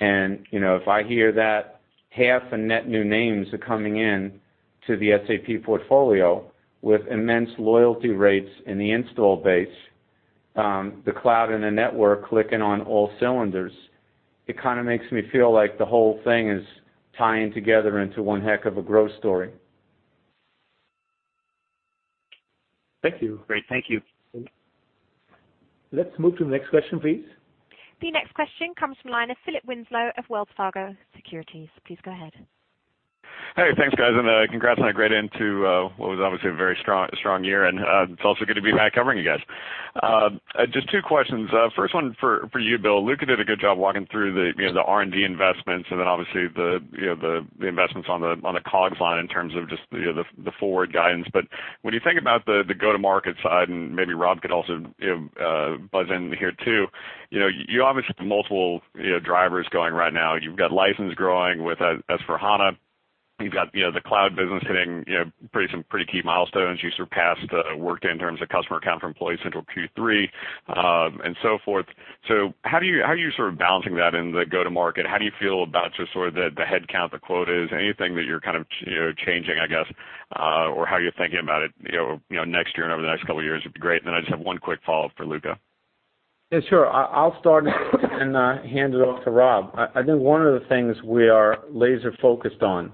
If I hear that half the net new names are coming in to the SAP portfolio with immense loyalty rates in the install base, the cloud, and the network clicking on all cylinders, it kind of makes me feel like the whole thing is tying together into one heck of a growth story. Thank you. Great. Thank you. Thank you. Let's move to the next question, please. The next question comes from the line of Philip Winslow of Wells Fargo Securities. Please go ahead. Hey, thanks, guys, and congrats on a great end to what was obviously a very strong year, and it's also good to be back covering you guys. Just two questions. First one for you, Bill. Luka did a good job walking through the R&D investments and then obviously the investments on the COGS line in terms of just the forward guidance. When you think about the go-to-market side, and maybe Rob could also buzz in here, too, you obviously have multiple drivers going right now. You've got license growing with S/4HANA. You've got the cloud business hitting some pretty key milestones. You surpassed Workday in terms of customer count for Employee Central Q3, and so forth. How are you sort of balancing that in the go-to-market? How do you feel about just sort of the headcount, the quotas? Anything that you're kind of changing, I guess, or how you're thinking about it next year and over the next couple of years would be great. Then I just have one quick follow-up for Luka. Yeah, sure. I'll start and then hand it off to Rob. I think one of the things we are laser focused on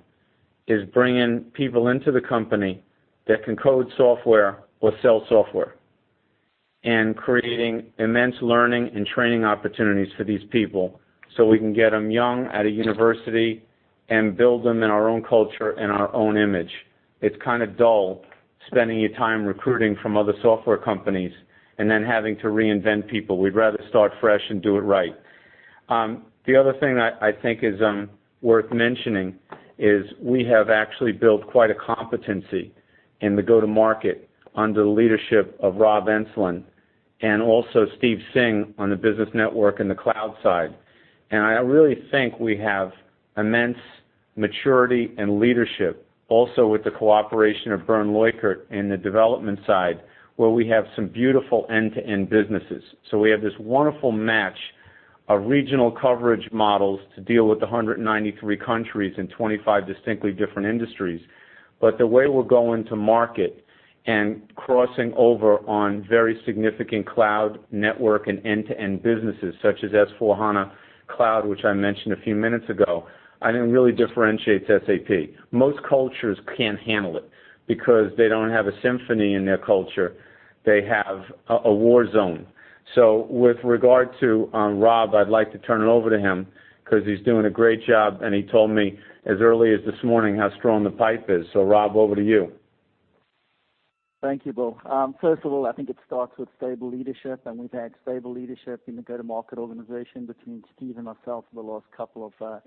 is bringing people into the company that can code software or sell software. Creating immense learning and training opportunities for these people so we can get them young at a university and build them in our own culture and our own image. It's kind of dull spending your time recruiting from other software companies and then having to reinvent people. We'd rather start fresh and do it right. The other thing that I think is worth mentioning is we have actually built quite a competency in the go-to-market under the leadership of Rob Enslin and also Steve Singh on the business network and the cloud side. I really think we have immense maturity and leadership also with the cooperation of Bernd Leukert in the development side, where we have some beautiful end-to-end businesses. We have this wonderful match of regional coverage models to deal with 193 countries and 25 distinctly different industries. The way we're going to market and crossing over on very significant cloud network and end-to-end businesses such as S/4HANA Cloud, which I mentioned a few minutes ago, I think really differentiates SAP. Most cultures can't handle it because they don't have a symphony in their culture. They have a war zone. With regard to Rob, I'd like to turn it over to him because he's doing a great job, and he told me as early as this morning how strong the pipe is. Rob, over to you. Thank you, Bill. First of all, I think it starts with stable leadership, and we've had stable leadership in the go-to-market organization between Steve and myself for the last couple of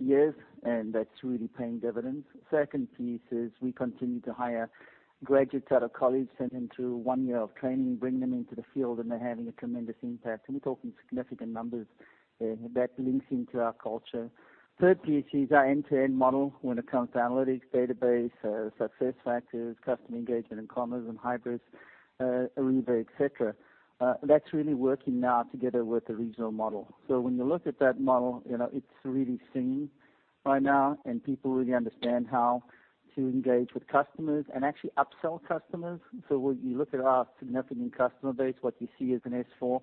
years, and that's really paying dividends. Second piece is we continue to hire graduates out of college, send them through one year of training, bring them into the field, and they're having a tremendous impact, and we're talking significant numbers there. That links into our culture. Third piece is our end-to-end model when it comes to analytics, database, SuccessFactors, customer engagement, and commerce and Hybris, Ariba, et cetera. That's really working now together with the regional model. When you look at that model, it's really singing right now, and people really understand how to engage with customers and actually upsell customers. When you look at our significant customer base, what you see is an S/4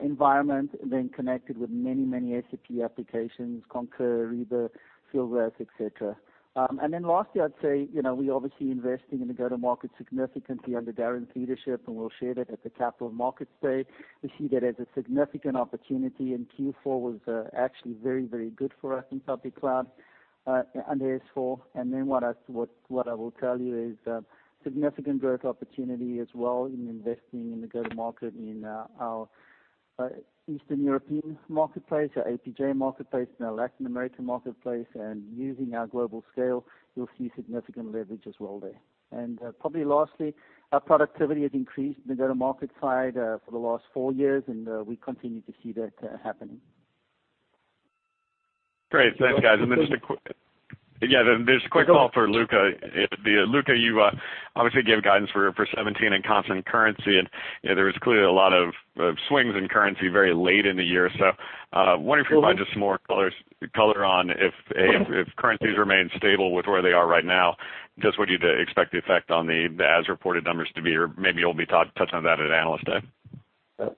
environment then connected with many SAP applications, Concur, Ariba, Fieldglass, et cetera. Lastly, I'd say, we obviously investing in the go-to-market significantly under Darren's leadership, and we'll share that at the Capital Markets Day. We see that as a significant opportunity, and Q4 was actually very good for us in public cloud, under S/4. What I will tell you is significant growth opportunity as well in investing in the go-to-market in our Eastern European marketplace, our APJ marketplace, and our Latin American marketplace, and using our global scale, you'll see significant leverage as well there. Probably lastly, our productivity has increased in the go-to-market side for the last four years, and we continue to see that happening. Great. Thanks, guys. Just a quick call for Luka. Luka, you obviously gave guidance for 2017 in constant currency, there was clearly a lot of swings in currency very late in the year. Wondering if you'll provide just some more color on if currencies remain stable with where they are right now, just what you'd expect the effect on the as-reported numbers to be, or maybe you'll be touching on that at Analyst Day.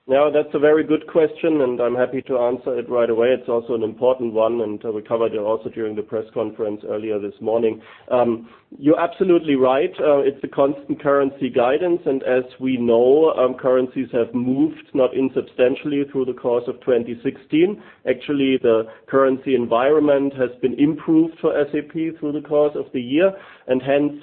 That's a very good question, I'm happy to answer it right away. It's also an important one, we covered it also during the press conference earlier this morning. You're absolutely right. It's a constant currency guidance, as we know, currencies have moved not insubstantially through the course of 2016. Actually, the currency environment has been improved for SAP through the course of the year. Hence,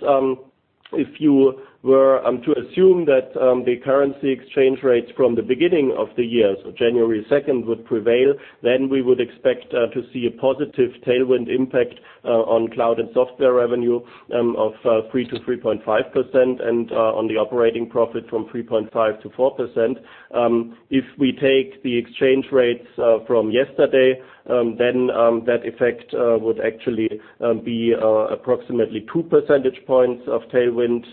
if you were to assume that the currency exchange rates from the beginning of the year, so January 2nd, would prevail, then we would expect to see a positive tailwind impact on cloud and software revenue of 3%-3.5%, and on the operating profit from 3.5%-4%. If we take the exchange rates from yesterday, that effect would actually be approximately 2 percentage points of tailwind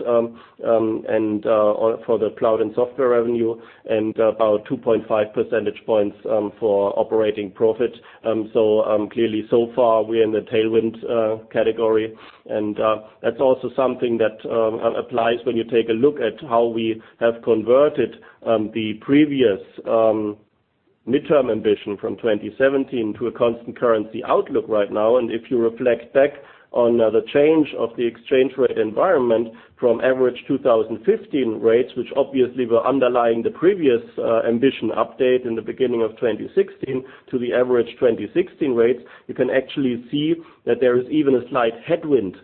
for the cloud and software revenue and about 2.5 percentage points for operating profit. Clearly, so far, we're in the tailwind category. That's also something that applies when you take a look at how we have converted the previous midterm ambition from 2017 to a constant currency outlook right now. If you reflect back on the change of the exchange rate environment from average 2015 rates, which obviously were underlying the previous ambition update in the beginning of 2016 to the average 2016 rates, you can actually see that there is even a slight headwind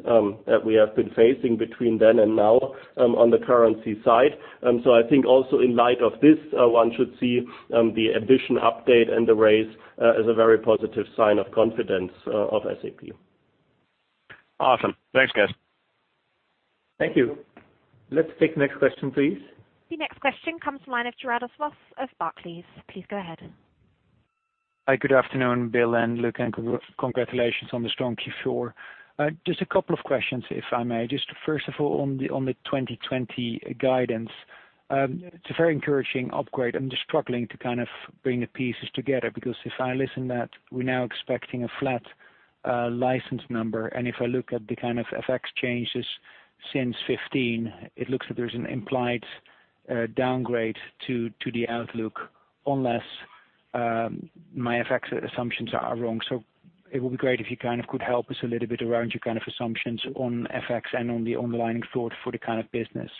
that we have been facing between then and now on the currency side. I think also in light of this, one should see the ambition update and the raise as a very positive sign of confidence of SAP. Awesome. Thanks, guys. Thank you. Let's take the next question, please. The next question comes from the line of Gerardus Vos of Barclays. Please go ahead. Hi, good afternoon, Bill and Luka, and congratulations on the strong Q4. A couple of questions, if I may. First of all, on the 2020 guidance. It's a very encouraging upgrade. I'm just struggling to kind of bring the pieces together, because if I listen that we're now expecting a flat license number, and if I look at the kind of FX changes since 2015, it looks that there's an implied downgrade to the outlook unless my FX assumptions are wrong. It would be great if you could help us a little bit around your kind of assumptions on FX and on the underlying thought for the kind of business.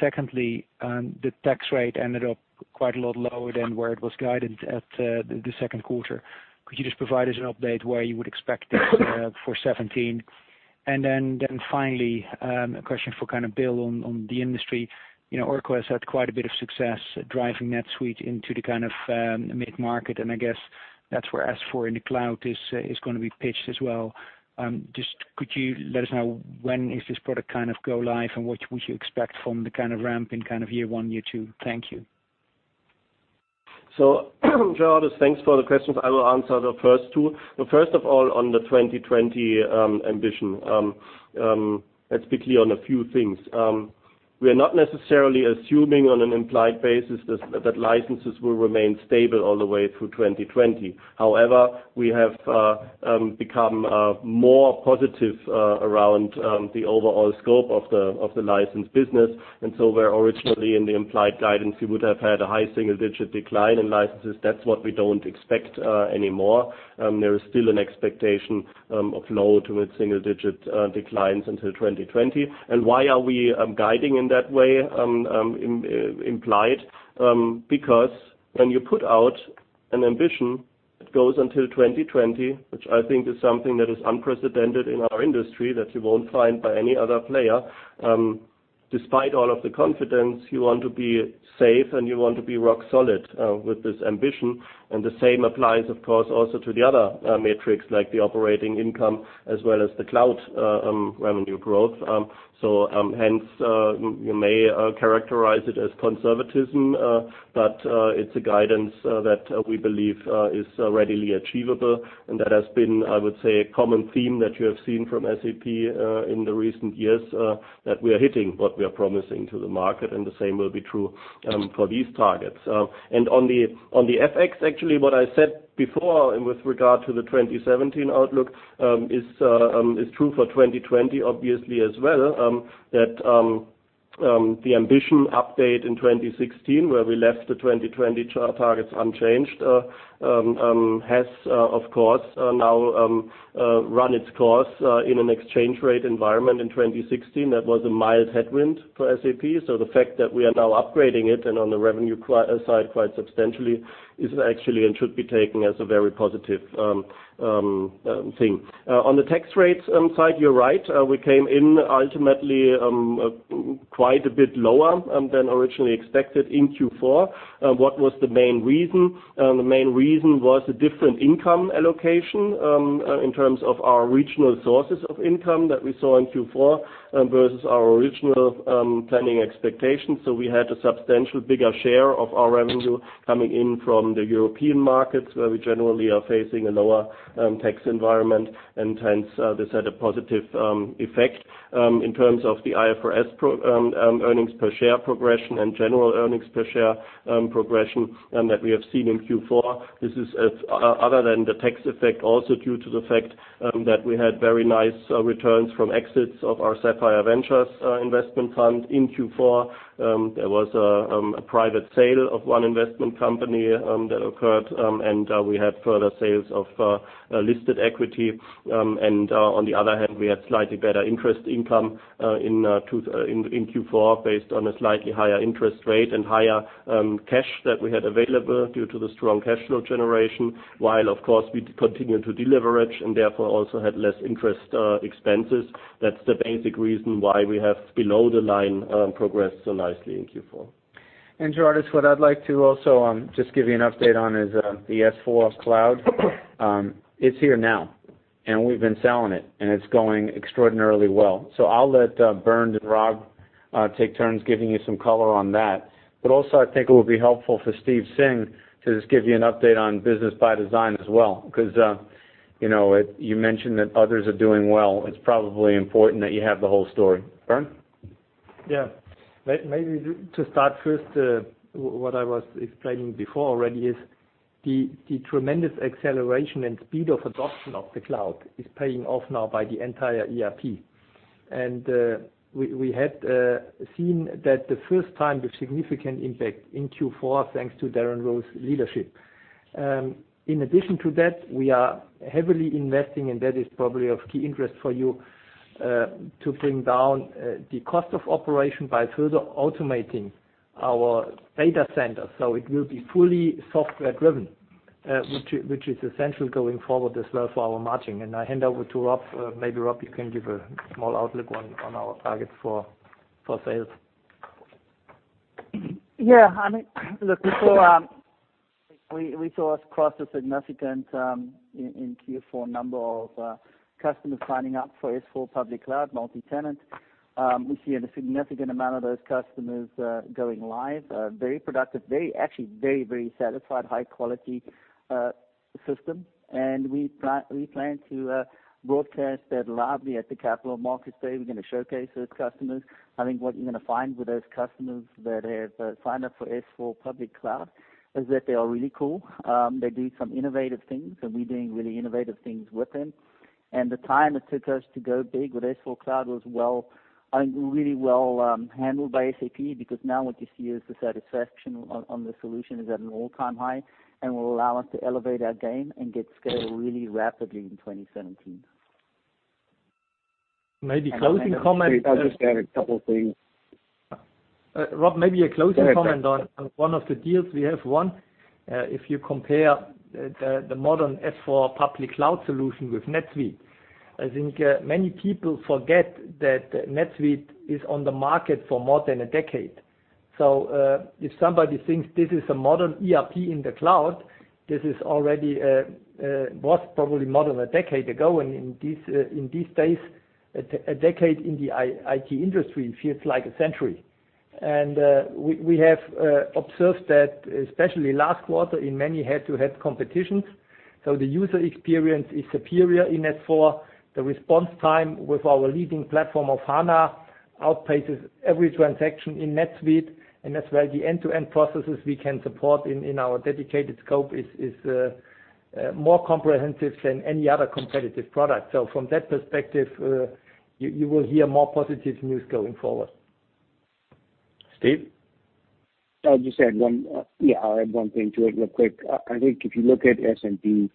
Secondly, the tax rate ended up quite a lot lower than where it was guided at the second quarter. Could you just provide us an update where you would expect it for 2017? Finally, a question for Bill on the industry. Oracle has had quite a bit of success driving NetSuite into the mid-market, and I guess that's where S/4HANA in the cloud is going to be pitched as well. Could you let us know when is this product go live and what you expect from the kind of ramp in year 1, year 2? Thank you. Gerard, thanks for the questions. I will answer the first two. First of all, on the 2020 ambition. Let's be clear on a few things. We are not necessarily assuming on an implied basis that licenses will remain stable all the way through 2020. However, we have become more positive around the overall scope of the license business. Where originally in the implied guidance, you would have had a high single-digit decline in licenses. That's what we don't expect anymore. There is still an expectation of low to mid-single-digit declines until 2020. Why are we guiding in that way, implied? Because when you put out an ambition that goes until 2020, which I think is something that is unprecedented in our industry that you won't find by any other player. Despite all of the confidence, you want to be safe and you want to be rock solid with this ambition. The same applies, of course, also to the other metrics like the operating income as well as the cloud revenue growth. Hence, you may characterize it as conservatism, but it's a guidance that we believe is readily achievable. That has been, I would say, a common theme that you have seen from SAP in the recent years, that we are hitting what we are promising to the market, and the same will be true for these targets. On the FX, actually, what I said before, and with regard to the 2017 outlook, is true for 2020, obviously, as well, that the ambition update in 2016, where we left the 2020 targets unchanged, has, of course, now run its course in an exchange rate environment in 2016. That was a mild headwind for SAP. The fact that we are now upgrading it and on the revenue side quite substantially, is actually and should be taken as a very positive thing. On the tax rates side, you're right. We came in ultimately, quite a bit lower than originally expected in Q4. What was the main reason? The main reason was a different income allocation, in terms of our regional sources of income that we saw in Q4 versus our original planning expectations. So we had a substantial bigger share of our revenue coming in from the European markets, where we generally are facing a lower tax environment, hence, this had a positive effect. In terms of the IFRS earnings per share progression and general earnings per share progression, that we have seen in Q4, this is, other than the tax effect, also due to the fact that we had very nice returns from exits of our Sapphire Ventures investment fund in Q4. There was a private sale of one investment company that occurred, we had further sales of listed equity. On the other hand, we had slightly better interest income in Q4 based on a slightly higher interest rate and higher cash that we had available due to the strong cash flow generation, while, of course, we continued to deleverage and therefore also had less interest expenses. That's the basic reason why we have below the line progressed so nicely in Q4. Gerard, what I'd like to also just give you an update on is the S/4 cloud. It's here now, we've been selling it's going extraordinarily well. I'll let Bernd and Rob take turns giving you some color on that. Also, I think it would be helpful for Steve Singh to just give you an update on Business ByDesign as well. You mentioned that others are doing well. It's probably important that you have the whole story. Bernd? Yeah. Maybe to start first, what I was explaining before already is the tremendous acceleration and speed of adoption of the cloud is paying off now by the entire ERP. We had seen that the first time with significant impact in Q4, thanks to Darren Roos leadership. In addition to that, we are heavily investing, that is probably of key interest for you, to bring down the cost of operation by further automating our data center. It will be fully software driven, which is essential going forward as well for our margin. I hand over to Rob. Maybe Rob, you can give a small outlook on our targets for sales. Yeah. Look, we saw across the significant in Q4 number of customers signing up for S/4 public cloud multi-tenant. We see a significant amount of those customers going live. Very productive, actually very satisfied, high quality system. We plan to broadcast that lively at the Capital Markets Day. We're going to showcase those customers. I think what you're going to find with those customers that have signed up for S/4 public cloud is that they are really cool. They do some innovative things, and we're doing really innovative things with them. The time it took us to go big with S/4 cloud was really well handled by SAP, because now what you see is the satisfaction on the solution is at an all-time high and will allow us to elevate our game and get scale really rapidly in 2017. Maybe closing comments. I just have a couple of things. Rob, maybe a closing comment on one of the deals we have won. If you compare the modern S/4 public cloud solution with NetSuite, I think many people forget that NetSuite is on the market for more than a decade. If somebody thinks this is a modern ERP in the cloud, this was probably more than a decade ago. In these days, a decade in the IT industry feels like a century. We have observed that, especially last quarter, in many head-to-head competitions. The user experience is superior in S/4. The response time with our leading platform of HANA outpaces every transaction in NetSuite. As well, the end-to-end processes we can support in our dedicated scope is more comprehensive than any other competitive product. From that perspective, you will hear more positive news going forward. Steve? I'll add one thing to it real quick. I think if you look at SMB,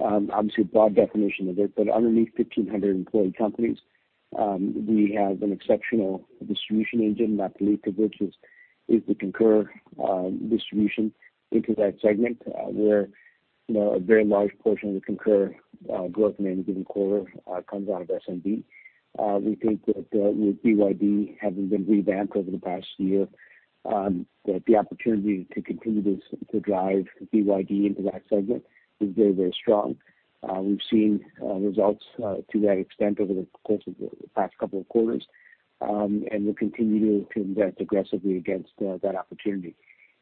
obviously broad definition of it, but underneath 1,500 employee companies, we have an exceptional distribution agent market leader, which is the Concur distribution into that segment, where a very large portion of the Concur growth in any given quarter comes out of SMB. We think that with ByD having been revamped over the past year, that the opportunity to continue to drive ByD into that segment is very, very strong. We've seen results to that extent over the course of the past couple of quarters, and we're continuing to invest aggressively against that opportunity.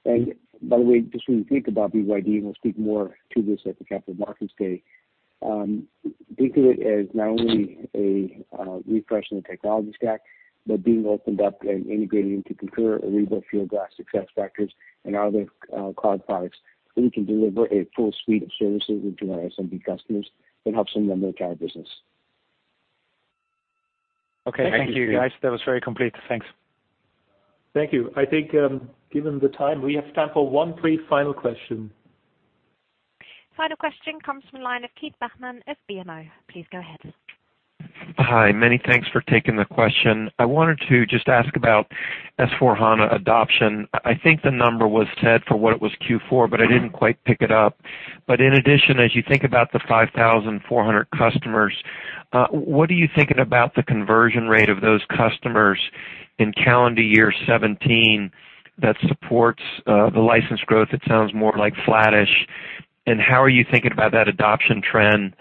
By the way, just when you think about ByD, and we'll speak more to this at the Capital Markets Day, think of it as not only a refresh in the technology stack, but being opened up and integrating into Concur, Ariba, Fieldglass, SuccessFactors, and other cloud products. We can deliver a full suite of services into our SMB customers that helps them run their entire business. Thank you, guys. That was very complete. Thanks. Thank you. I think given the time, we have time for one brief final question. Final question comes from the line of Keith Bachman of BMO. Please go ahead. Hi. Many thanks for taking the question. I wanted to just ask about S/4HANA adoption. I think the number was said for what it was Q4, I didn't quite pick it up. In addition, as you think about the 5,400 customers, what are you thinking about the conversion rate of those customers in calendar year 2017 that supports the license growth? It sounds more like flattish. How are you thinking about that adoption trend,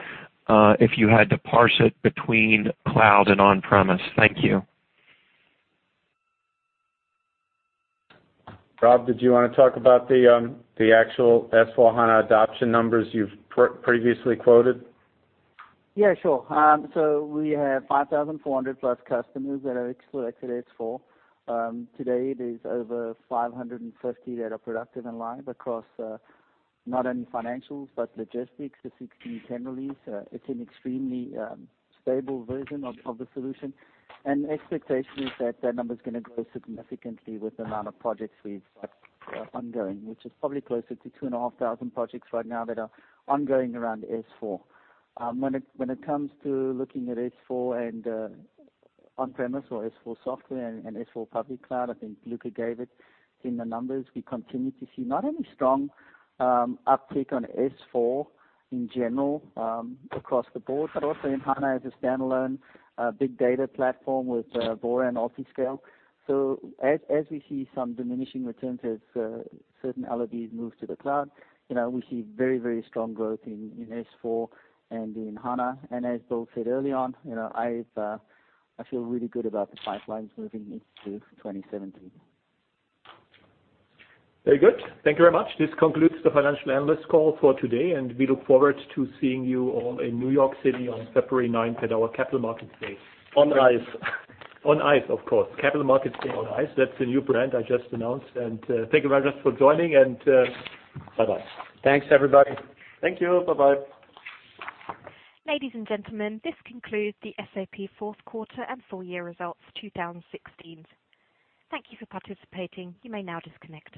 if you had to parse it between cloud and on-premise? Thank you. Rob, did you want to talk about the actual S/4HANA adoption numbers you've previously quoted? Yeah, sure. We have 5,400 plus customers that are explored to S/4. Today, it is over 550 that are productive and live across not only financials, but logistics, the 1610 release. It's an extremely stable version of the solution. The expectation is that that number is going to grow significantly with the amount of projects we've got ongoing, which is probably closer to 2,500 projects right now that are ongoing around S/4. When it comes to looking at S/4 and on-premise or S/4 software and S/4 public cloud, I think Luka gave it in the numbers. We continue to see not only strong uptake on S/4 in general across the board, but also in HANA as a standalone big data platform with Vora and Altiscale. As we see some diminishing returns as certain LOBs move to the cloud, we see very, very strong growth in S/4 and in HANA. As Bill said early on, I feel really good about the pipelines moving into 2017. Very good. Thank you very much. This concludes the financial analyst call for today, and we look forward to seeing you all in New York City on February ninth at our Capital Markets Day. On ice. On ice, of course. Capital Markets Day on ice. That's the new brand I just announced. Thank you very much for joining, and bye-bye. Thanks, everybody. Thank you. Bye-bye. Ladies and gentlemen, this concludes the SAP fourth quarter and full year results 2016. Thank you for participating. You may now disconnect.